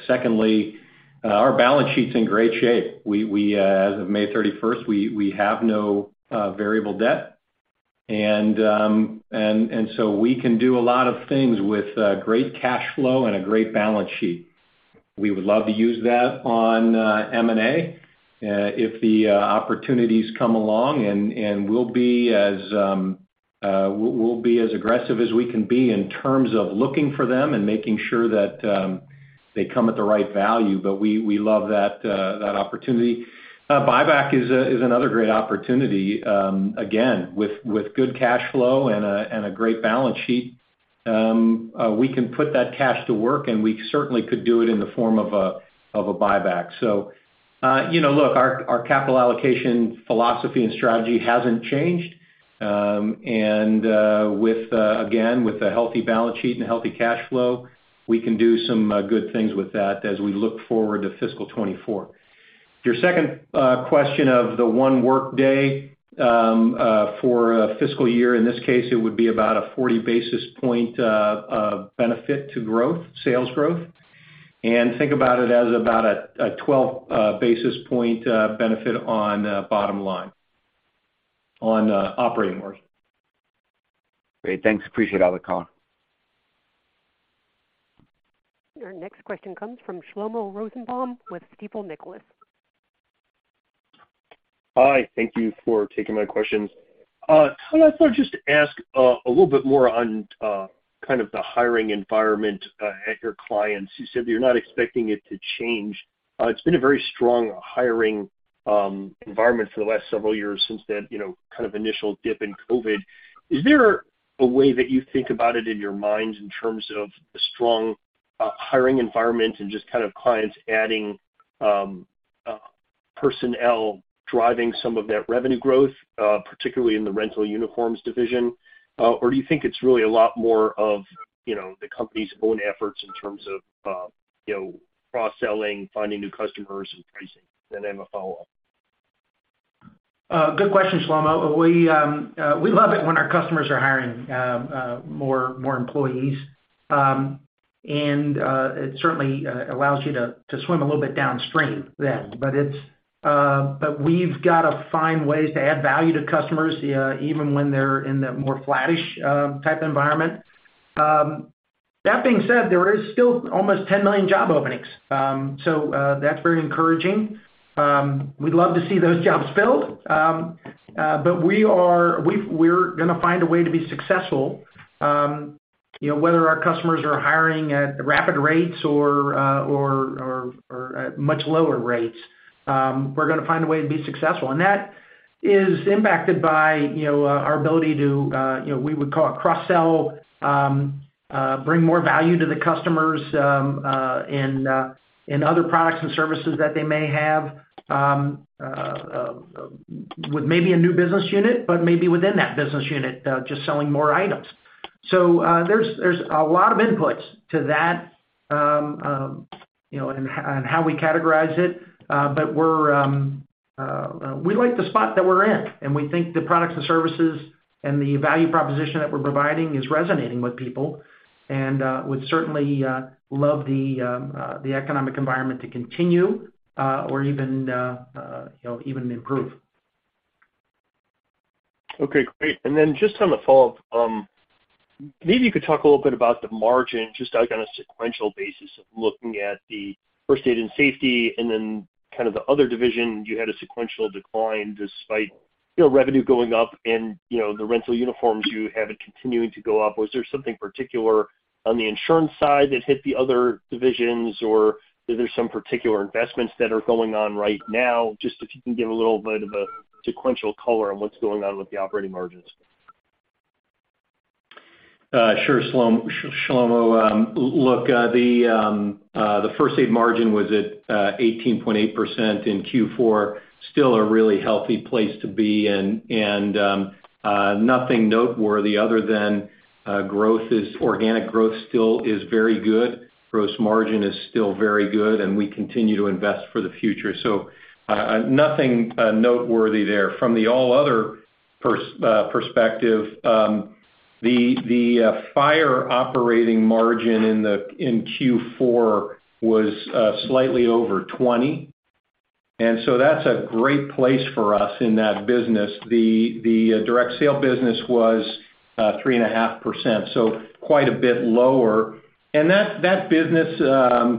Secondly, our balance sheet's in great shape. We, as of May 31st, we have no variable debt, and so we can do a lot of things with great cash flow and a great balance sheet. We would love to use that on M&A, if the opportunities come along, and we'll be as we'll be as aggressive as we can be in terms of looking for them and making sure that they come at the right value. We love that opportunity. Buyback is another great opportunity, again, with good cash flow and a great balance sheet. We can put that cash to work, and we certainly could do it in the form of a buyback. You know, look, our capital allocation philosophy and strategy hasn't changed. Again, with a healthy balance sheet and healthy cash flow, we can do some good things with that as we look forward to fiscal 2024. Your second question of the one workday for a fiscal year, in this case, it would be about a 40 basis point benefit to growth, sales growth, and think about it as about a 12 basis point benefit on bottom line, on operating margin. Great. Thanks. Appreciate all the call. Your next question comes from Shlomo Rosenbaum with Stifel Nicolaus. Hi, thank you for taking my questions. I thought I'd just ask a little bit more on kind of the hiring environment at your clients. You said you're not expecting it to change. It's been a very strong hiring environment for the last several years since that, you know, kind of initial dip in COVID. Is there a way that you think about it in your minds in terms of a strong hiring environment and just kind of clients adding personnel, driving some of that revenue growth, particularly in the Rental Uniforms division? Or do you think it's really a lot more of, you know, the company's own efforts in terms of, you know, cross-selling, finding new customers and pricing? I have a follow-up. Good question, Shlomo. We love it when our customers are hiring more employees. It certainly allows you to swim a little bit downstream then. We've got to find ways to add value to customers even when they're in the more flattish type environment. That being said, there is still almost 10 million job openings. That's very encouraging. We'd love to see those jobs filled. We're gonna find a way to be successful, you know, whether our customers are hiring at rapid rates or at much lower rates. We're gonna find a way to be successful, and that is impacted by, you know, our ability to, you know, we would call a cross-sell, bring more value to the customers, in other products and services that they may have, with maybe a new business unit, but maybe within that business unit, just selling more items. There's a lot of inputs to that, you know, and how we categorize it, but we're, we like the spot that we're in, and we think the products and services and the value proposition that we're providing is resonating with people, and would certainly love the economic environment to continue, or even, you know, even improve. Okay, great. Just on a follow-up, maybe you could talk a little bit about the margin, just like on a sequential basis of looking at the First Aid and Safety, and then kind of the other division, you had a sequential decline despite, you know, revenue going up and, you know, the Rental Uniforms, you have it continuing to go up. Was there something particular on the insurance side that hit the other divisions, or is there some particular investments that are going on right now? Just if you can give a little bit of a sequential color on what's going on with the operating margins? Sure, Shlomo. Look, the First Aid margin was at 18.8% in Q4, still a really healthy place to be, and nothing noteworthy other than organic growth still is very good, gross margin is still very good, and we continue to invest for the future. Nothing noteworthy there. From the All Other perspective, the Fire operating margin in Q4 was slightly over 20, and so that's a great place for us in that business. The Direct Sale business was 3.5%, so quite a bit lower. That business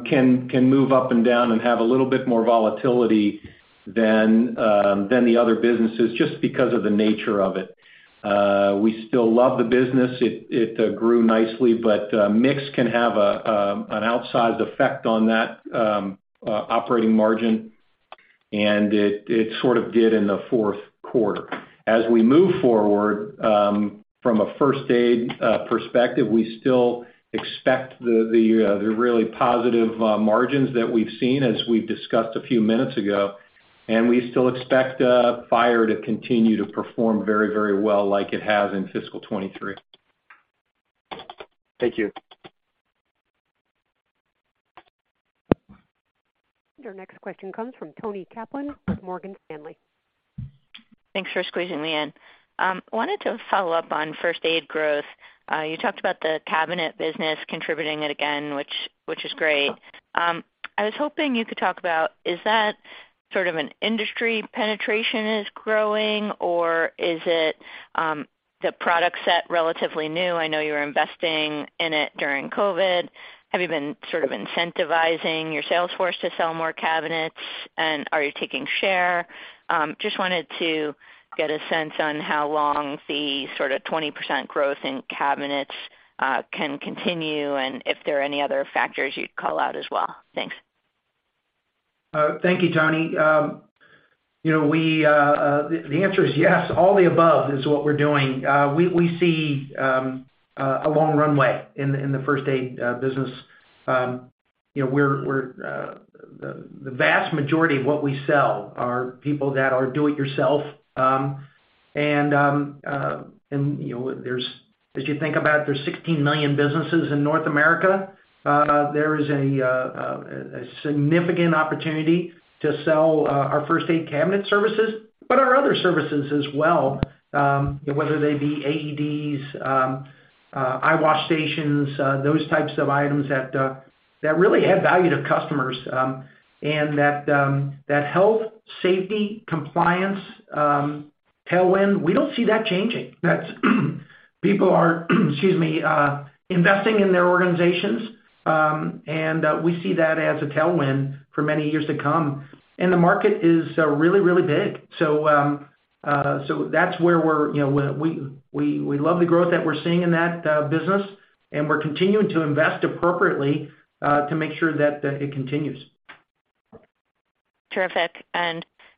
can move up and down and have a little bit more volatility than the other businesses, just because of the nature of it. We still love the business. It grew nicely, but mix can have an outsized effect on that operating margin, and it sort of did in the fourth quarter. As we move forward, from a first aid perspective, we still expect the really positive margins that we've seen as we've discussed a few minutes ago, and we still expect fire to continue to perform very well like it has in fiscal 2023. Thank you. Your next question comes from Toni Kaplan with Morgan Stanley. Thanks for squeezing me in. I wanted to follow up on First Aid growth. You talked about the cabinet business contributing it again, which is great. I was hoping you could talk about, is that sort of an industry penetration is growing, or is it the product set relatively new? I know you were investing in it during COVID. Have you been sort of incentivizing your sales force to sell more cabinets, and are you taking share? Just wanted to get a sense on how long the sort of 20% growth in cabinets can continue, and if there are any other factors you'd call out as well? Thanks. Thank you, Toni. You know, the answer is yes. All the above is what we're doing. We see a long runway in the first aid business. You know, we're. The vast majority of what we sell are people that are do it yourself. You know, as you think about, there's 16 million businesses in North America. There is a significant opportunity to sell our first aid cabinet services, but our other services as well, whether they be AEDs, eye wash stations, those types of items that really add value to customers, and that health, safety, compliance tailwind, we don't see that changing. That's, people are, excuse me, investing in their organizations, and we see that as a tailwind for many years to come. The market is really big. That's where we're, you know, we love the growth that we're seeing in that business, and we're continuing to invest appropriately, to make sure that it continues. Terrific.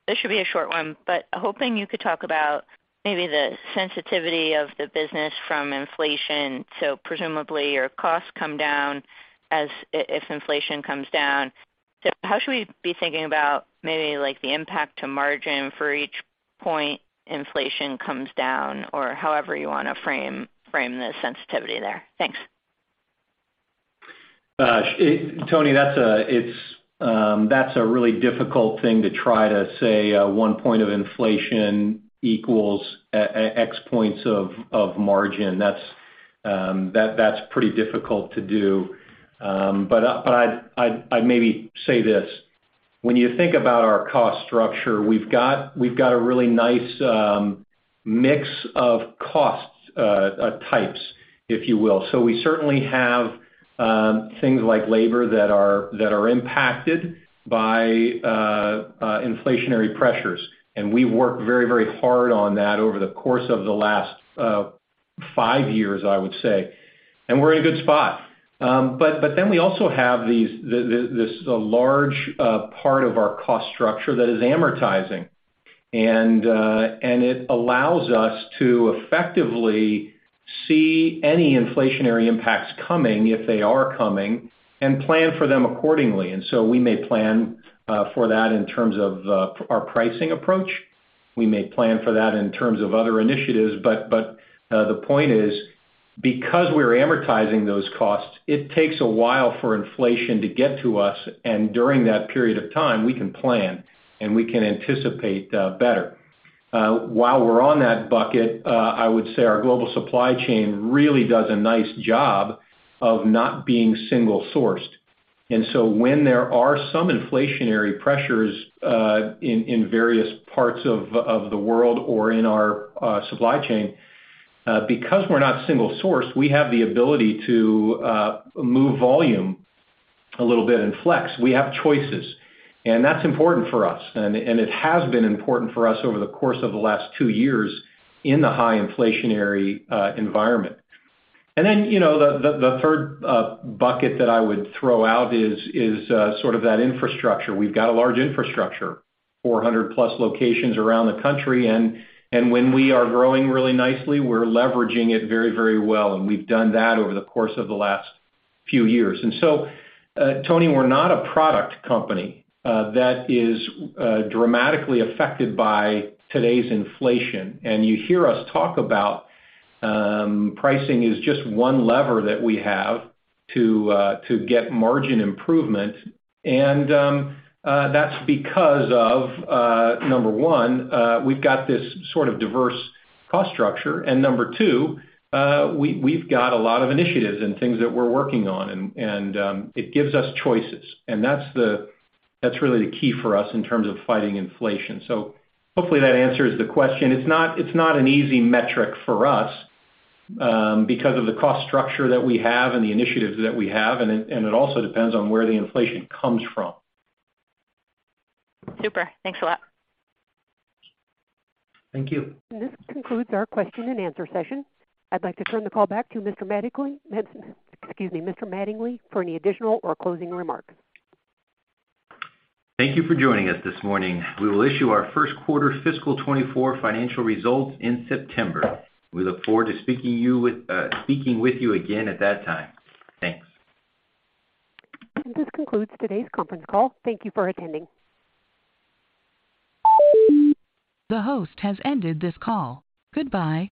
This should be a short one, but hoping you could talk about maybe the sensitivity of the business from inflation. Presumably, your costs come down as if inflation comes down. How should we be thinking about maybe like the impact to margin for each point inflation comes down or however you wanna frame the sensitivity there? Thanks. Toni, that's a, it's a really difficult thing to try to say, 1 point of inflation equals X points of margin. That's that's pretty difficult to do. But I'd maybe say this: when you think about our cost structure, we've got we've got a really nice mix of costs types, if you will. So we certainly have things like labor that are that are impacted by inflationary pressures, and we work very, very hard on that over the course of the last five years, I would say. And we're in a good spot. But then we also have this large part of our cost structure that is amortizing. It allows us to effectively see any inflationary impacts coming, if they are coming, and plan for them accordingly. We may plan for that in terms of our pricing approach. We may plan for that in terms of other initiatives, but the point is, because we're amortizing those costs, it takes a while for inflation to get to us, and during that period of time, we can plan, and we can anticipate better. While we're on that bucket, I would say our global supply chain really does a nice job of not being single-sourced. When there are some inflationary pressures in various parts of the world or in our supply chain, because we're not single-sourced, we have the ability to move volume a little bit and flex. We have choices, and that's important for us, and it has been important for us over the course of the last two years in the high inflationary environment. You know, the, the third bucket that I would throw out is, sort of that infrastructure. We've got a large infrastructure, 400+ locations around the country, and when we are growing really nicely, we're leveraging it very, very well, and we've done that over the course of the last few years. Toni, we're not a product company that is dramatically affected by today's inflation. You hear us talk about pricing is just one lever that we have to get margin improvement, and that's because of number one, we've got this sort of diverse cost structure. Number two, we've got a lot of initiatives and things that we're working on, and it gives us choices. That's really the key for us in terms of fighting inflation. Hopefully that answers the question. It's not an easy metric for us because of the cost structure that we have and the initiatives that we have, and it also depends on where the inflation comes from. Super. Thanks a lot. Thank you. This concludes our Q&A session. I'd like to turn the call back to Mr. Mattingley, excuse me, Mr. Mattingley, for any additional or closing remarks. Thank you for joining us this morning. We will issue our first quarter fiscal 2024 financial results in September. We look forward to speaking with you again at that time. Thanks. This concludes today's conference call. Thank you for attending. The host has ended this call. Goodbye.